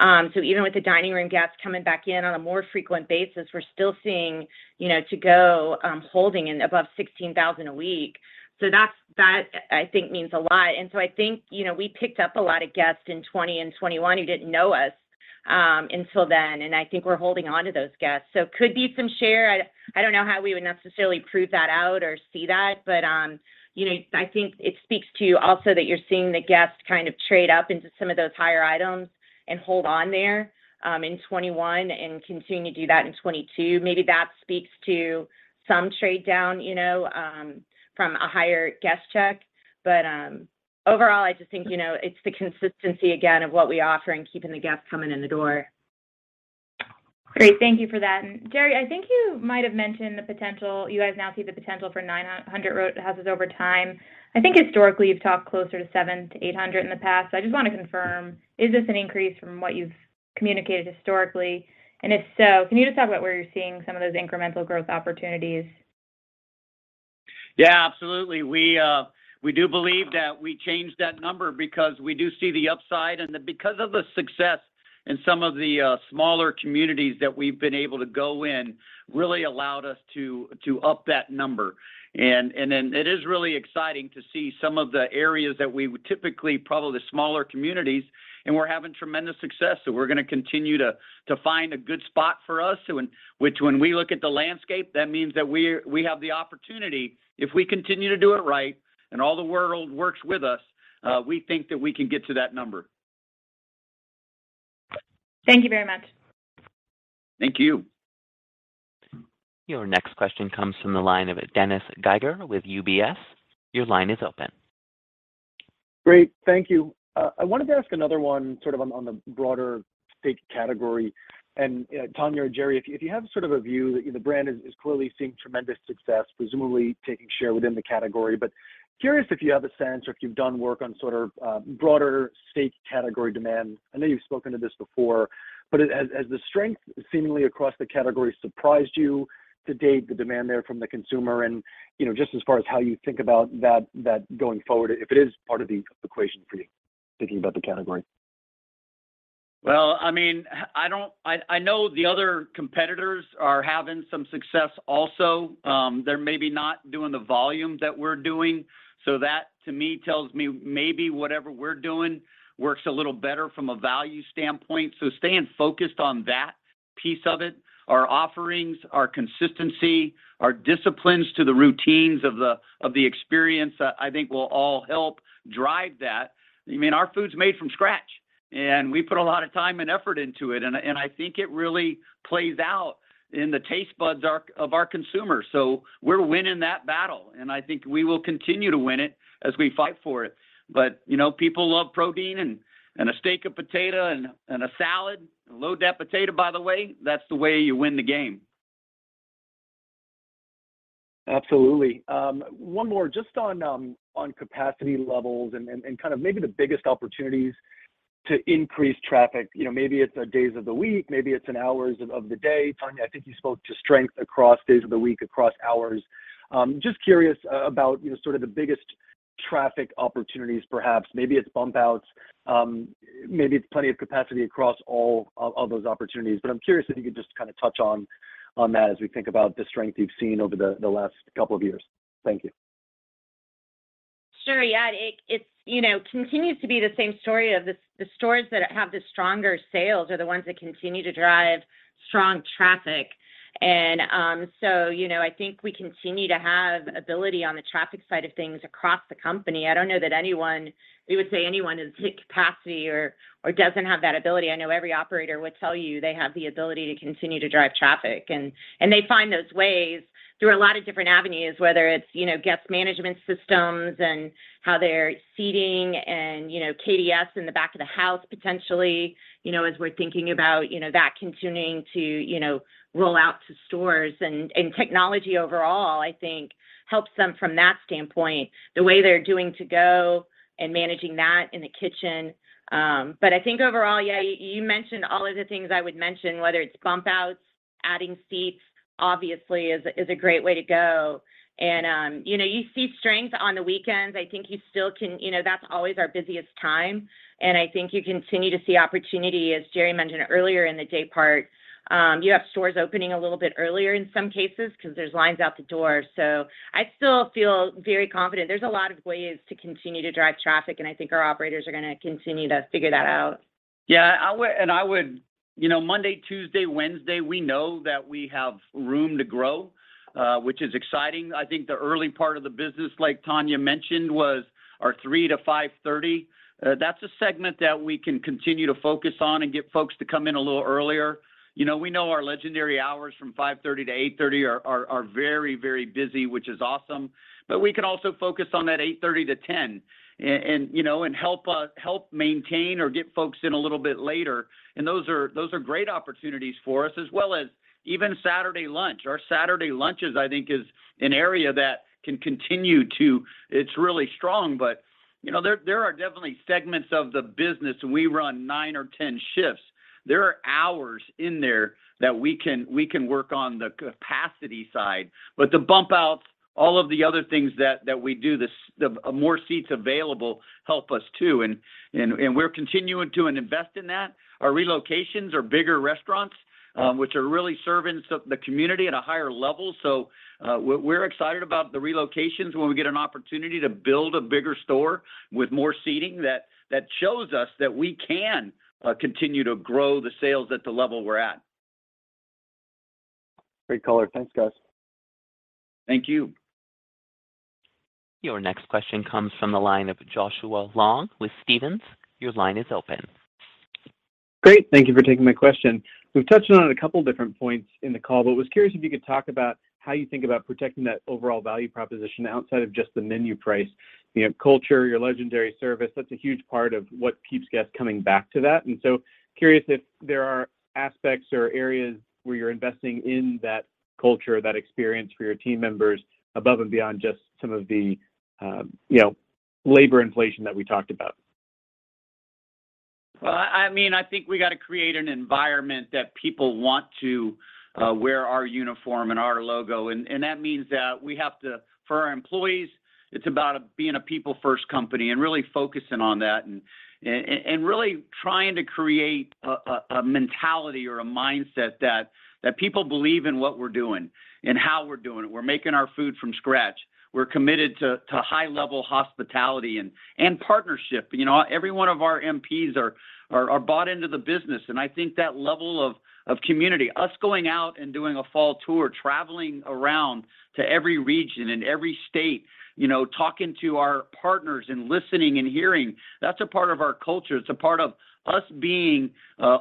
Even with the dining room guests coming back in on a more frequent basis, we're still seeing, you know, to-go holding in above 16,000 a week. That's. I think that means a lot. I think, you know, we picked up a lot of guests in 2020 and 2021 who didn't know us until then, and I think we're holding onto those guests. Could be some share. I don't know how we would necessarily prove that out or see that, but you know, I think it speaks to also that you're seeing the guests kind of trade up into some of those higher items and hold on there in 2021 and continue to do that in 2022. Maybe that speaks to some trade down, you know, from a higher guest check. Overall, I just think you know, it's the consistency again of what we offer and keeping the guests coming in the door. Great. Thank you for that. Jerry, I think you might have mentioned the potential, you guys now see the potential for 900 Roadhouses over time. I think historically you've talked closer to 700-800 in the past. I just wanna confirm, is this an increase from what you've communicated historically? If so, can you just talk about where you're seeing some of those incremental growth opportunities? Yeah, absolutely. We do believe that we changed that number because we do see the upside and because of the success in some of the smaller communities that we've been able to go in really allowed us to up that number. It is really exciting to see some of the areas that we would typically, probably the smaller communities, and we're having tremendous success, so we're gonna continue to find a good spot for us. Which when we look at the landscape, that means that we have the opportunity. If we continue to do it right and all the world works with us, we think that we can get to that number. Thank you very much. Thank you. Your next question comes from the line of Dennis Geiger with UBS. Your line is open. Great. Thank you. I wanted to ask another one sort of on the broader steak category. Tonya or Jerry, if you have sort of a view that, you know, the brand is clearly seeing tremendous success, presumably taking share within the category. Curious if you have a sense or if you've done work on sort of broader steak category demand. I know you've spoken to this before, but has the strength seemingly across the category surprised you to date, the demand there from the consumer and, you know, just as far as how you think about that going forward, if it is part of the equation for you thinking about the category? I mean, I know the other competitors are having some success also. They're maybe not doing the volume that we're doing, so that to me tells me maybe whatever we're doing works a little better from a value standpoint. Staying focused on that piece of it, our offerings, our consistency, our disciplines to the routines of the experience, I think will all help drive that. I mean, our food's made from scratch, and we put a lot of time and effort into it, and I think it really plays out in the taste buds of our consumers. We're winning that battle, and I think we will continue to win it as we fight for it. You know, people love protein and a steak of potato and a salad. A loaded potato, by the way, that's the way you win the game. Absolutely. One more just on capacity levels and kind of maybe the biggest opportunities to increase traffic. You know, maybe it's days of the week, maybe it's in hours of the day. Tonya, I think you spoke to strength across days of the week, across hours. Just curious about, you know, sort of the biggest traffic opportunities perhaps. Maybe it's bump outs, maybe it's plenty of capacity across all of those opportunities. I'm curious if you could just kind of touch on that as we think about the strength you've seen over the last couple of years. Thank you. Sure. Yeah. It's, you know, continues to be the same story of the stores that have the stronger sales are the ones that continue to drive strong traffic. You know, I think we continue to have ability on the traffic side of things across the company. I don't know that anyone we would say has hit capacity or doesn't have that ability. I know every operator would tell you they have the ability to continue to drive traffic and they find those ways through a lot of different avenues, whether it's, you know, guest management systems and how they're seating and, you know, KDS in the back of the house potentially, you know, as we're thinking about, you know, that continuing to, you know, roll out to stores. And technology overall, I think helps them from that standpoint. The way they're doing to-go and managing that in the kitchen. I think overall, yeah, you mentioned all of the things I would mention, whether it's bump outs, adding seats obviously is a great way to go. You know, you see strength on the weekends. I think you still can. You know, that's always our busiest time, and I think you continue to see opportunity, as Jerry mentioned earlier in the day part. You have stores opening a little bit earlier in some cases because there's lines out the door. I still feel very confident. There's a lot of ways to continue to drive traffic, and I think our operators are gonna continue to figure that out. Yeah. You know, Monday, Tuesday, Wednesday, we know that we have room to grow, which is exciting. I think the early part of the business, like Tonya mentioned, was our 3:00 P.M. to 5:30 P.M. That's a segment that we can continue to focus on and get folks to come in a little earlier. You know, we know our legendary hours from 5:30 P.M. to 8:30 P.M. are very busy, which is awesome. We can also focus on that 8:30 P.M. to 10:00 P.M. and help maintain or get folks in a little bit later. Those are great opportunities for us, as well as even Saturday lunch. Our Saturday lunches, I think, is an area that can continue to. It's really strong, but there are definitely segments of the business, and we run nine or 10 shifts. There are hours in there that we can work on the capacity side. The bump outs, all of the other things that we do, the more seats available help us too, and we're continuing to invest in that. Our relocations are bigger restaurants, which are really serving the community at a higher level. We're excited about the relocations when we get an opportunity to build a bigger store with more seating. That shows us that we can continue to grow the sales at the level we're at. Great color. Thanks, guys. Thank you. Your next question comes from the line of Joshua Long with Stephens. Your line is open. Great. Thank you for taking my question. We've touched on a couple different points in the call, but was curious if you could talk about how you think about protecting that overall value proposition outside of just the menu price. You know, culture, your legendary service, that's a huge part of what keeps guests coming back to that. Curious if there are aspects or areas where you're investing in that culture, that experience for your team members above and beyond just some of the, you know, labor inflation that we talked about. Well, I mean, I think we go to create an environment that people want to wear our uniform and our logo and that means that we have to. For our employees, it's about being a people first company and really focusing on that and really trying to create a mentality or a mindset that people believe in what we're doing and how we're doing it. We're making our food from scratch. We're committed to high level hospitality and partnership. You know, every one of our MPs are bought into the business, and I think that level of community, us going out and doing a fall tour, traveling around to every region and every state, you know, talking to our partners and listening and hearing, that's a part of our culture. It's a part of us being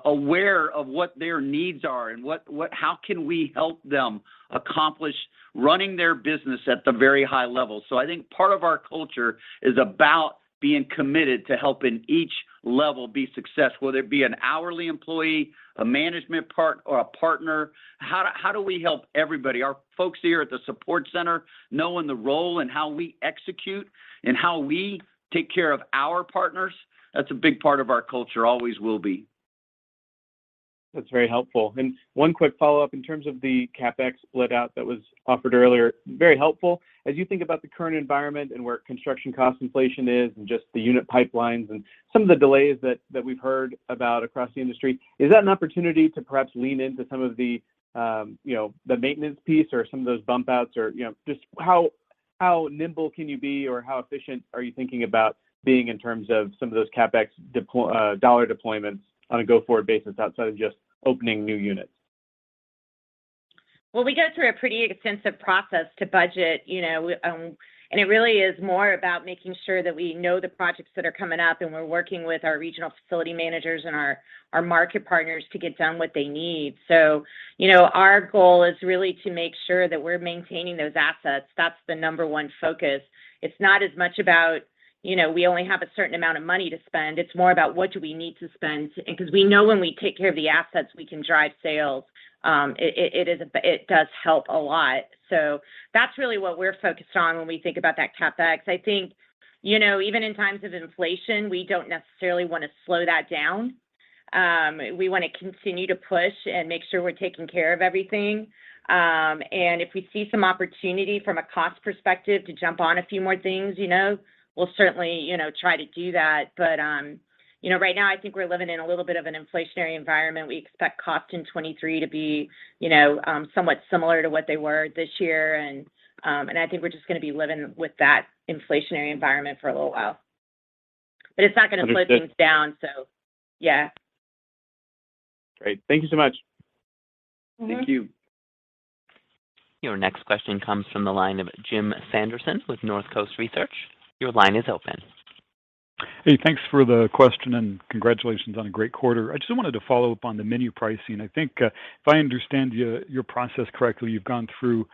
aware of what their needs are and how can we help them accomplish running their business at the very high level. I think part of our culture is about being committed to helping each level be successful, whether it be an hourly employee, a managing partner or a partner. How do we help everybody? Our folks here at the support center knowing their role and how we execute and how we take care of our partners, that's a big part of our culture, always will be. That's very helpful. One quick follow-up in terms of the CapEx split out that was offered earlier, very helpful. As you think about the current environment and where construction cost inflation is and just the unit pipelines and some of the delays that we've heard about across the industry, is that an opportunity to perhaps lean into some of the, you know, the maintenance piece or some of those bump outs or, you know, just how nimble can you be or how efficient are you thinking about being in terms of some of those CapEx dollar deployments on a go-forward basis outside of just opening new units? Well, we go through a pretty extensive process to budget, you know, and it really is more about making sure that we know the projects that are coming up, and we're working with our regional facility managers and our market partners to get done what they need. You know, our goal is really to make sure that we're maintaining those assets. That's the number one focus. It's not as much about, you know, we only have a certain amount of money to spend. It's more about what do we need to spend. Because we know when we take care of the assets, we can drive sales. It does help a lot. That's really what we're focused on when we think about that CapEx. I think, you know, even in times of inflation, we don't necessarily wanna slow that down. We wanna continue to push and make sure we're taking care of everything. If we see some opportunity from a cost perspective to jump on a few more things, you know, we'll certainly, you know, try to do that. Right now, I think we're living in a little bit of an inflationary environment. We expect costs in 2023 to be, you know, somewhat similar to what they were this year. I think we're just gonna be living with that inflationary environment for a little while. It's not gonna put things down. Yeah. Great. Thank you so much. Mm-hmm. Thank you. Your next question comes from the line of Jim Sanderson with Northcoast Research. Your line is open. Hey, thanks for the question, and congratulations on a great quarter. I just wanted to follow up on the menu pricing. I think if I understand your process correctly, you've gone through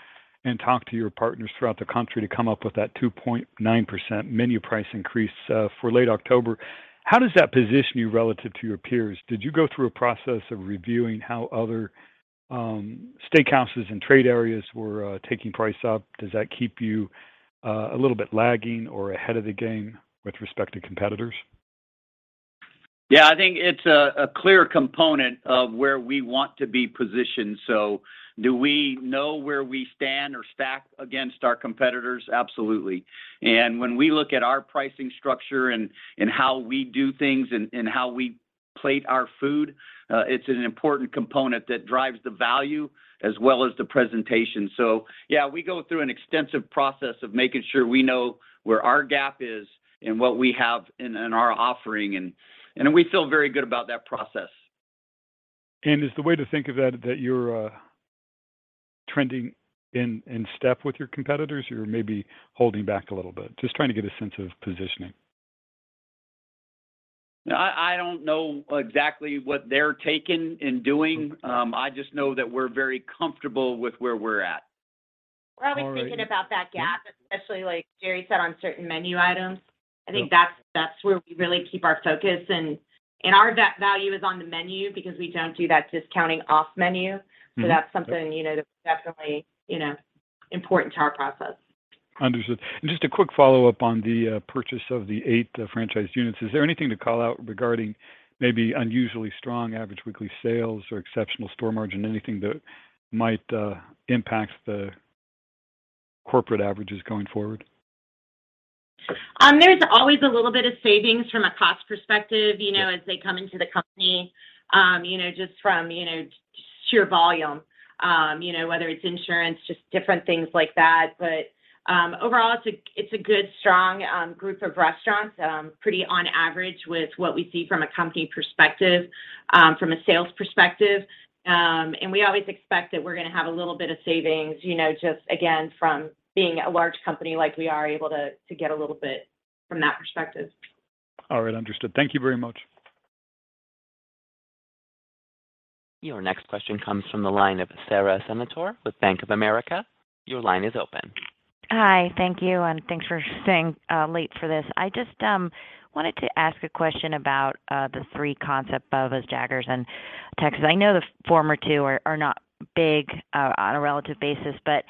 and talked to your partners throughout the country to come up with that 2.9% menu price increase for late October. How does that position you relative to your peers? Did you go through a process of reviewing how other steakhouses and trade areas were taking price up? Does that keep you a little bit lagging or ahead of the game with respect to competitors? Yeah. I think it's a clear component of where we want to be positioned. Do we know where we stand or stack against our competitors? Absolutely. When we look at our pricing structure and how we do things and how we plate our food, it's an important component that drives the value as well as the presentation. Yeah, we go through an extensive process of making sure we know where our gap is and what we have in our offering, and we feel very good about that process. Is the way to think of that you're trending in step with your competitors, or maybe holding back a little bit? Just trying to get a sense of positioning. No, I don't know exactly what they're taking and doing. I just know that we're very comfortable with where we're at. We're always thinking about that gap, especially like Jerry said, on certain menu items. I think that's where we really keep our focus and our value is on the menu because we don't do that discounting off menu. Mm-hmm. That's something, you know, that's definitely, you know, important to our process. Understood. Just a quick follow-up on the purchase of the eight franchise units. Is there anything to call out regarding maybe unusually strong average weekly sales or exceptional store margin, anything that might impact the corporate averages going forward? There's always a little bit of savings from a cost perspective, you know, as they come into the company, you know, just from, you know, sheer volume, you know, whether it's insurance, just different things like that. Overall, it's a good, strong group of restaurants, pretty on average with what we see from a company perspective, from a sales perspective. We always expect that we're gonna have a little bit of savings, you know, just again, from being a large company like we are able to get a little bit from that perspective. All right. Understood. Thank you very much. Your next question comes from the line of Sara Senatore with Bank of America. Your line is open. Hi. Thank you, and thanks for staying late for this. I just wanted to ask a question about the three concepts Bubba's 33, Jaggers, and Texas Roadhouse. I know the former two are not big on a relative basis, but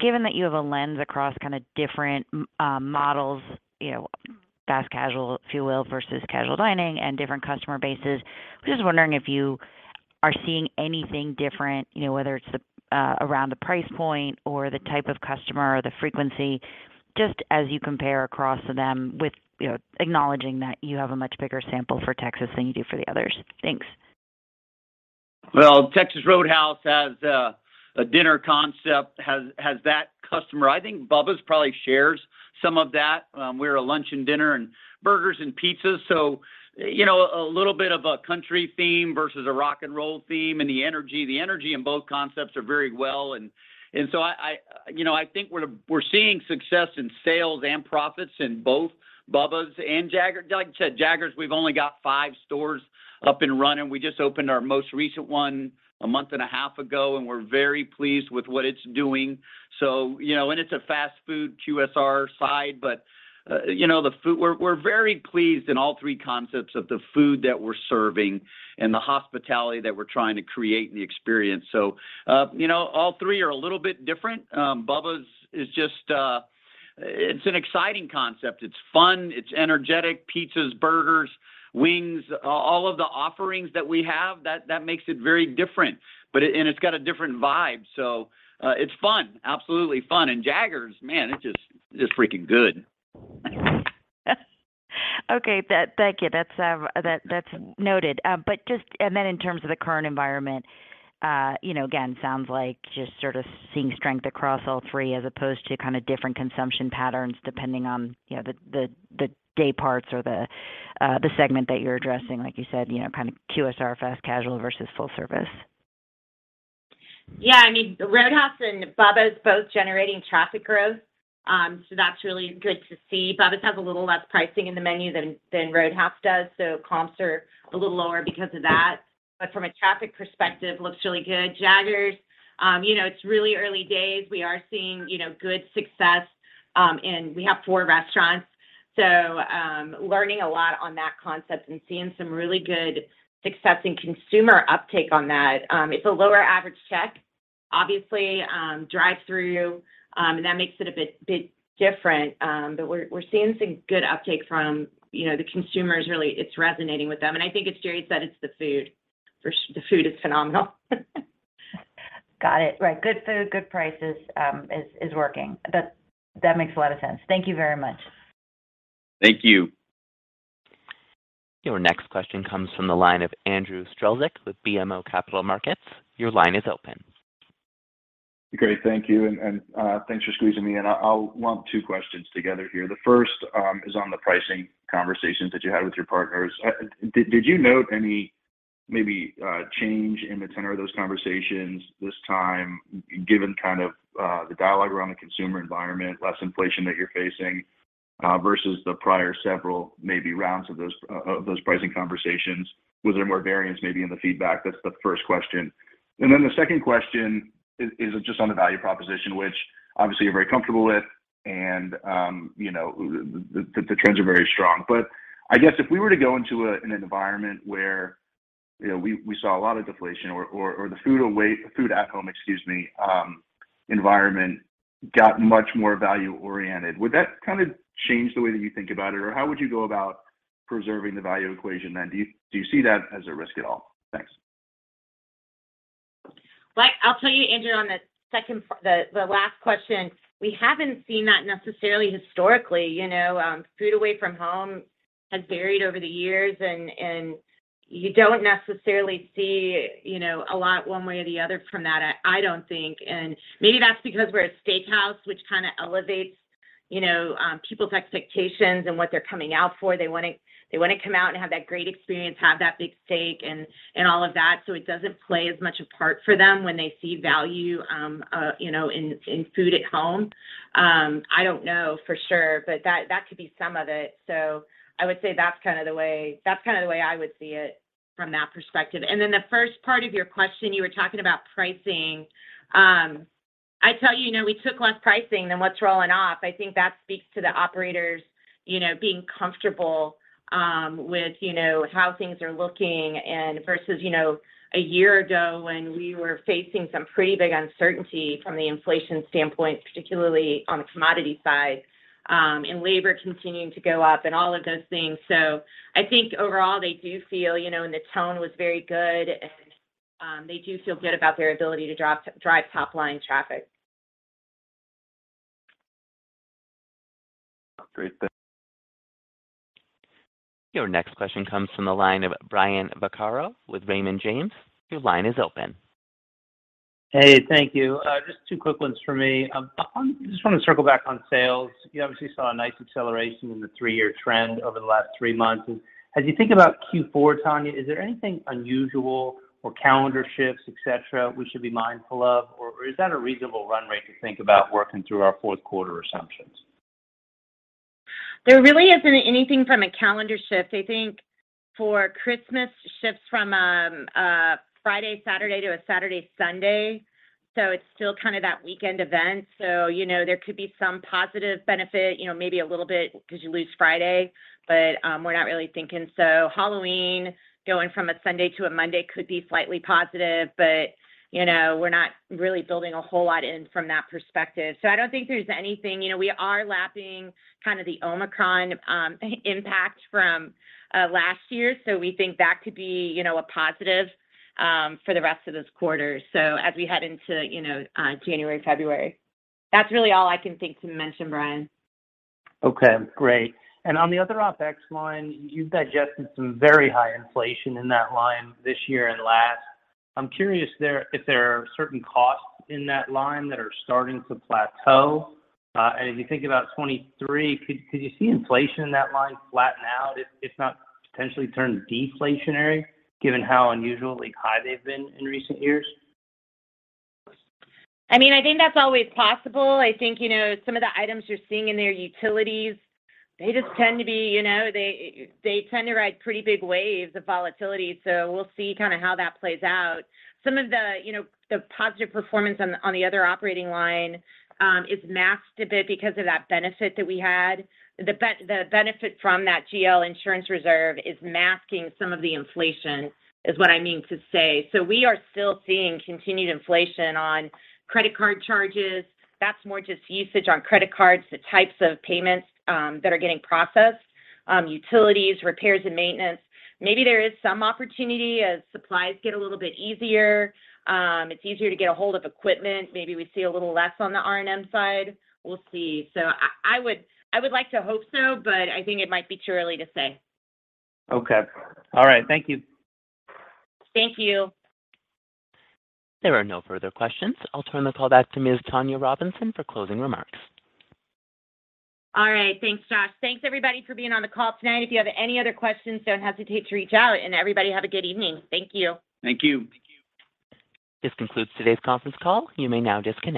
given that you have a lens across kind of different models, you know, fast casual if you will versus casual dining and different customer bases, I'm just wondering if you are seeing anything different, you know, whether it's around the price point or the type of customer or the frequency, just as you compare across them with, you know, acknowledging that you have a much bigger sample for Texas Roadhouse than you do for the others. Thanks. Texas Roadhouse has a dinner concept, has that customer. I think Bubba's probably shares some of that. We're a lunch and dinner and burgers and pizzas, so you know, a little bit of a country theme versus a rock and roll theme, and the energy in both concepts are very well. So I you know, I think we're seeing success in sales and profits in both Bubba's and Jaggers. Like I said, Jaggers, we've only got five stores up and running. We just opened our most recent one a month and a half ago, and we're very pleased with what it's doing. You know, and it's a fast food QSR side, but you know, the food. We're very pleased in all three concepts of the food that we're serving and the hospitality that we're trying to create and the experience. You know, all three are a little bit different. Bubba's is just, It's an exciting concept. It's fun, it's energetic. Pizzas, burgers, wings, all of the offerings that we have, that makes it very different. It's got a different vibe, so, it's fun, absolutely fun. Jaggers, man, it's just freaking good. Okay. Thank you. That's noted. In terms of the current environment, you know, again, sounds like just sort of seeing strength across all three as opposed to kind of different consumption patterns depending on, you know, the day parts or the segment that you're addressing, like you said, you know, kind of QSR, fast casual versus full service. Yeah. I mean, Roadhouse and Bubba's both generating traffic growth, so that's really good to see. Bubba's has a little less pricing in the menu than Roadhouse does, so comps are a little lower because of that. From a traffic perspective, looks really good. Jaggers, you know, it's really early days. We are seeing, you know, good success, and we have four restaurants, so, learning a lot on that concept and seeing some really good success and consumer uptake on that. It's a lower average check. Obviously, drive through, and that makes it a bit different. But we're seeing some good uptake from, you know, the consumers. Really, it's resonating with them. I think as Jerry said, it's the food. The food is phenomenal. Got it. Right. Good food, good prices, is working. That makes a lot of sense. Thank you very much. Thank you. Your next question comes from the line of Andrew Strelzik with BMO Capital Markets. Your line is open. Great. Thank you. Thanks for squeezing me in. I'll lump two questions together here. The first is on the pricing conversations that you had with your partners. Did you note any maybe change in the tenor of those conversations this time given kind of the dialogue around the consumer environment, less inflation that you're facing versus the prior several maybe rounds of those pricing conversations? Was there more variance maybe in the feedback? That's the first question. The second question is just on the value proposition, which obviously you're very comfortable with and you know the trends are very strong. I guess if we were to go into an environment where you know we saw a lot of deflation or the food away. food at home, excuse me, environment got much more value oriented, would that kind of change the way that you think about it? Or how would you go about preserving the value equation then? Do you see that as a risk at all? Thanks. Well, I'll tell you, Andrew, on the last question, we haven't seen that necessarily historically, you know. Food away from home has varied over the years and you don't necessarily see, you know, a lot one way or the other from that, I don't think. Maybe that's because we're a steakhouse, which kind of elevates, you know, people's expectations and what they're coming out for. They wanna come out and have that great experience, have that big steak and all of that, so it doesn't play as much a part for them when they see value, you know, in food at home. I don't know for sure, but that could be some of it. I would say that's kind of the way I would see it from that perspective. Then the first part of your question, you were talking about pricing. I tell you know, we took less pricing than what's rolling off. I think that speaks to the operators, you know, being comfortable, with, you know, how things are looking and versus, you know, a year ago when we were facing some pretty big uncertainty from the inflation standpoint, particularly on the commodity side, and labor continuing to go up and all of those things. I think overall, they do feel, you know, and the tone was very good and, they do feel good about their ability to drive top-line traffic. Great. Thanks. Your next question comes from the line of Brian Vaccaro with Raymond James. Your line is open. Hey. Thank you. Just two quick ones for me. Just wanna circle back on sales. You obviously saw a nice acceleration in the three-year trend over the last three months. As you think about Q4, Tonya, is there anything unusual or calendar shifts, et cetera, we should be mindful of? Or is that a reasonable run rate to think about working through our fourth quarter assumptions? There really isn't anything from a calendar shift. I think for Christmas shifts from a Friday, Saturday to a Saturday, Sunday, so it's still kind of that weekend event. You know, there could be some positive benefit, you know, maybe a little bit because you lose Friday, but we're not really thinking. Halloween going from a Sunday to a Monday could be slightly positive, but you know, we're not really building a whole lot in from that perspective. I don't think there's anything. You know, we are lapping kind of the Omicron impact from last year, so we think that could be you know, a positive for the rest of this quarter, so as we head into you know, January, February. That's really all I can think to mention, Brian. Okay. Great. On the other OpEx line, you've digested some very high inflation in that line this year and last. I'm curious there if there are certain costs in that line that are starting to plateau. As you think about 2023, could you see inflation in that line flatten out if not potentially turn deflationary given how unusually high they've been in recent years? I mean, I think that's always possible. I think some of the items you're seeing in their utilities, they just tend to be they tend to ride pretty big waves of volatility, so we'll see kind of how that plays out. Some of the positive performance on the other operating line is masked a bit because of that benefit that we had. The benefit from that GL insurance reserve is masking some of the inflation, is what I mean to say. We are still seeing continued inflation on credit card charges. That's more just usage on credit cards, the types of payments that are getting processed. Utilities, repairs and maintenance. Maybe there is some opportunity as supplies get a little bit easier, it's easier to get a hold of equipment. Maybe we see a little less on the R&M side. We'll see. I would like to hope so, but I think it might be too early to say. Okay. All right. Thank you. Thank you. There are no further questions. I'll turn the call back to Ms. Tonya Robinson for closing remarks. All right. Thanks, Josh. Thanks, everybody, for being on the call tonight. If you have any other questions, don't hesitate to reach out. Everybody have a good evening. Thank you. Thank you. This concludes today's conference call. You may now disconnect.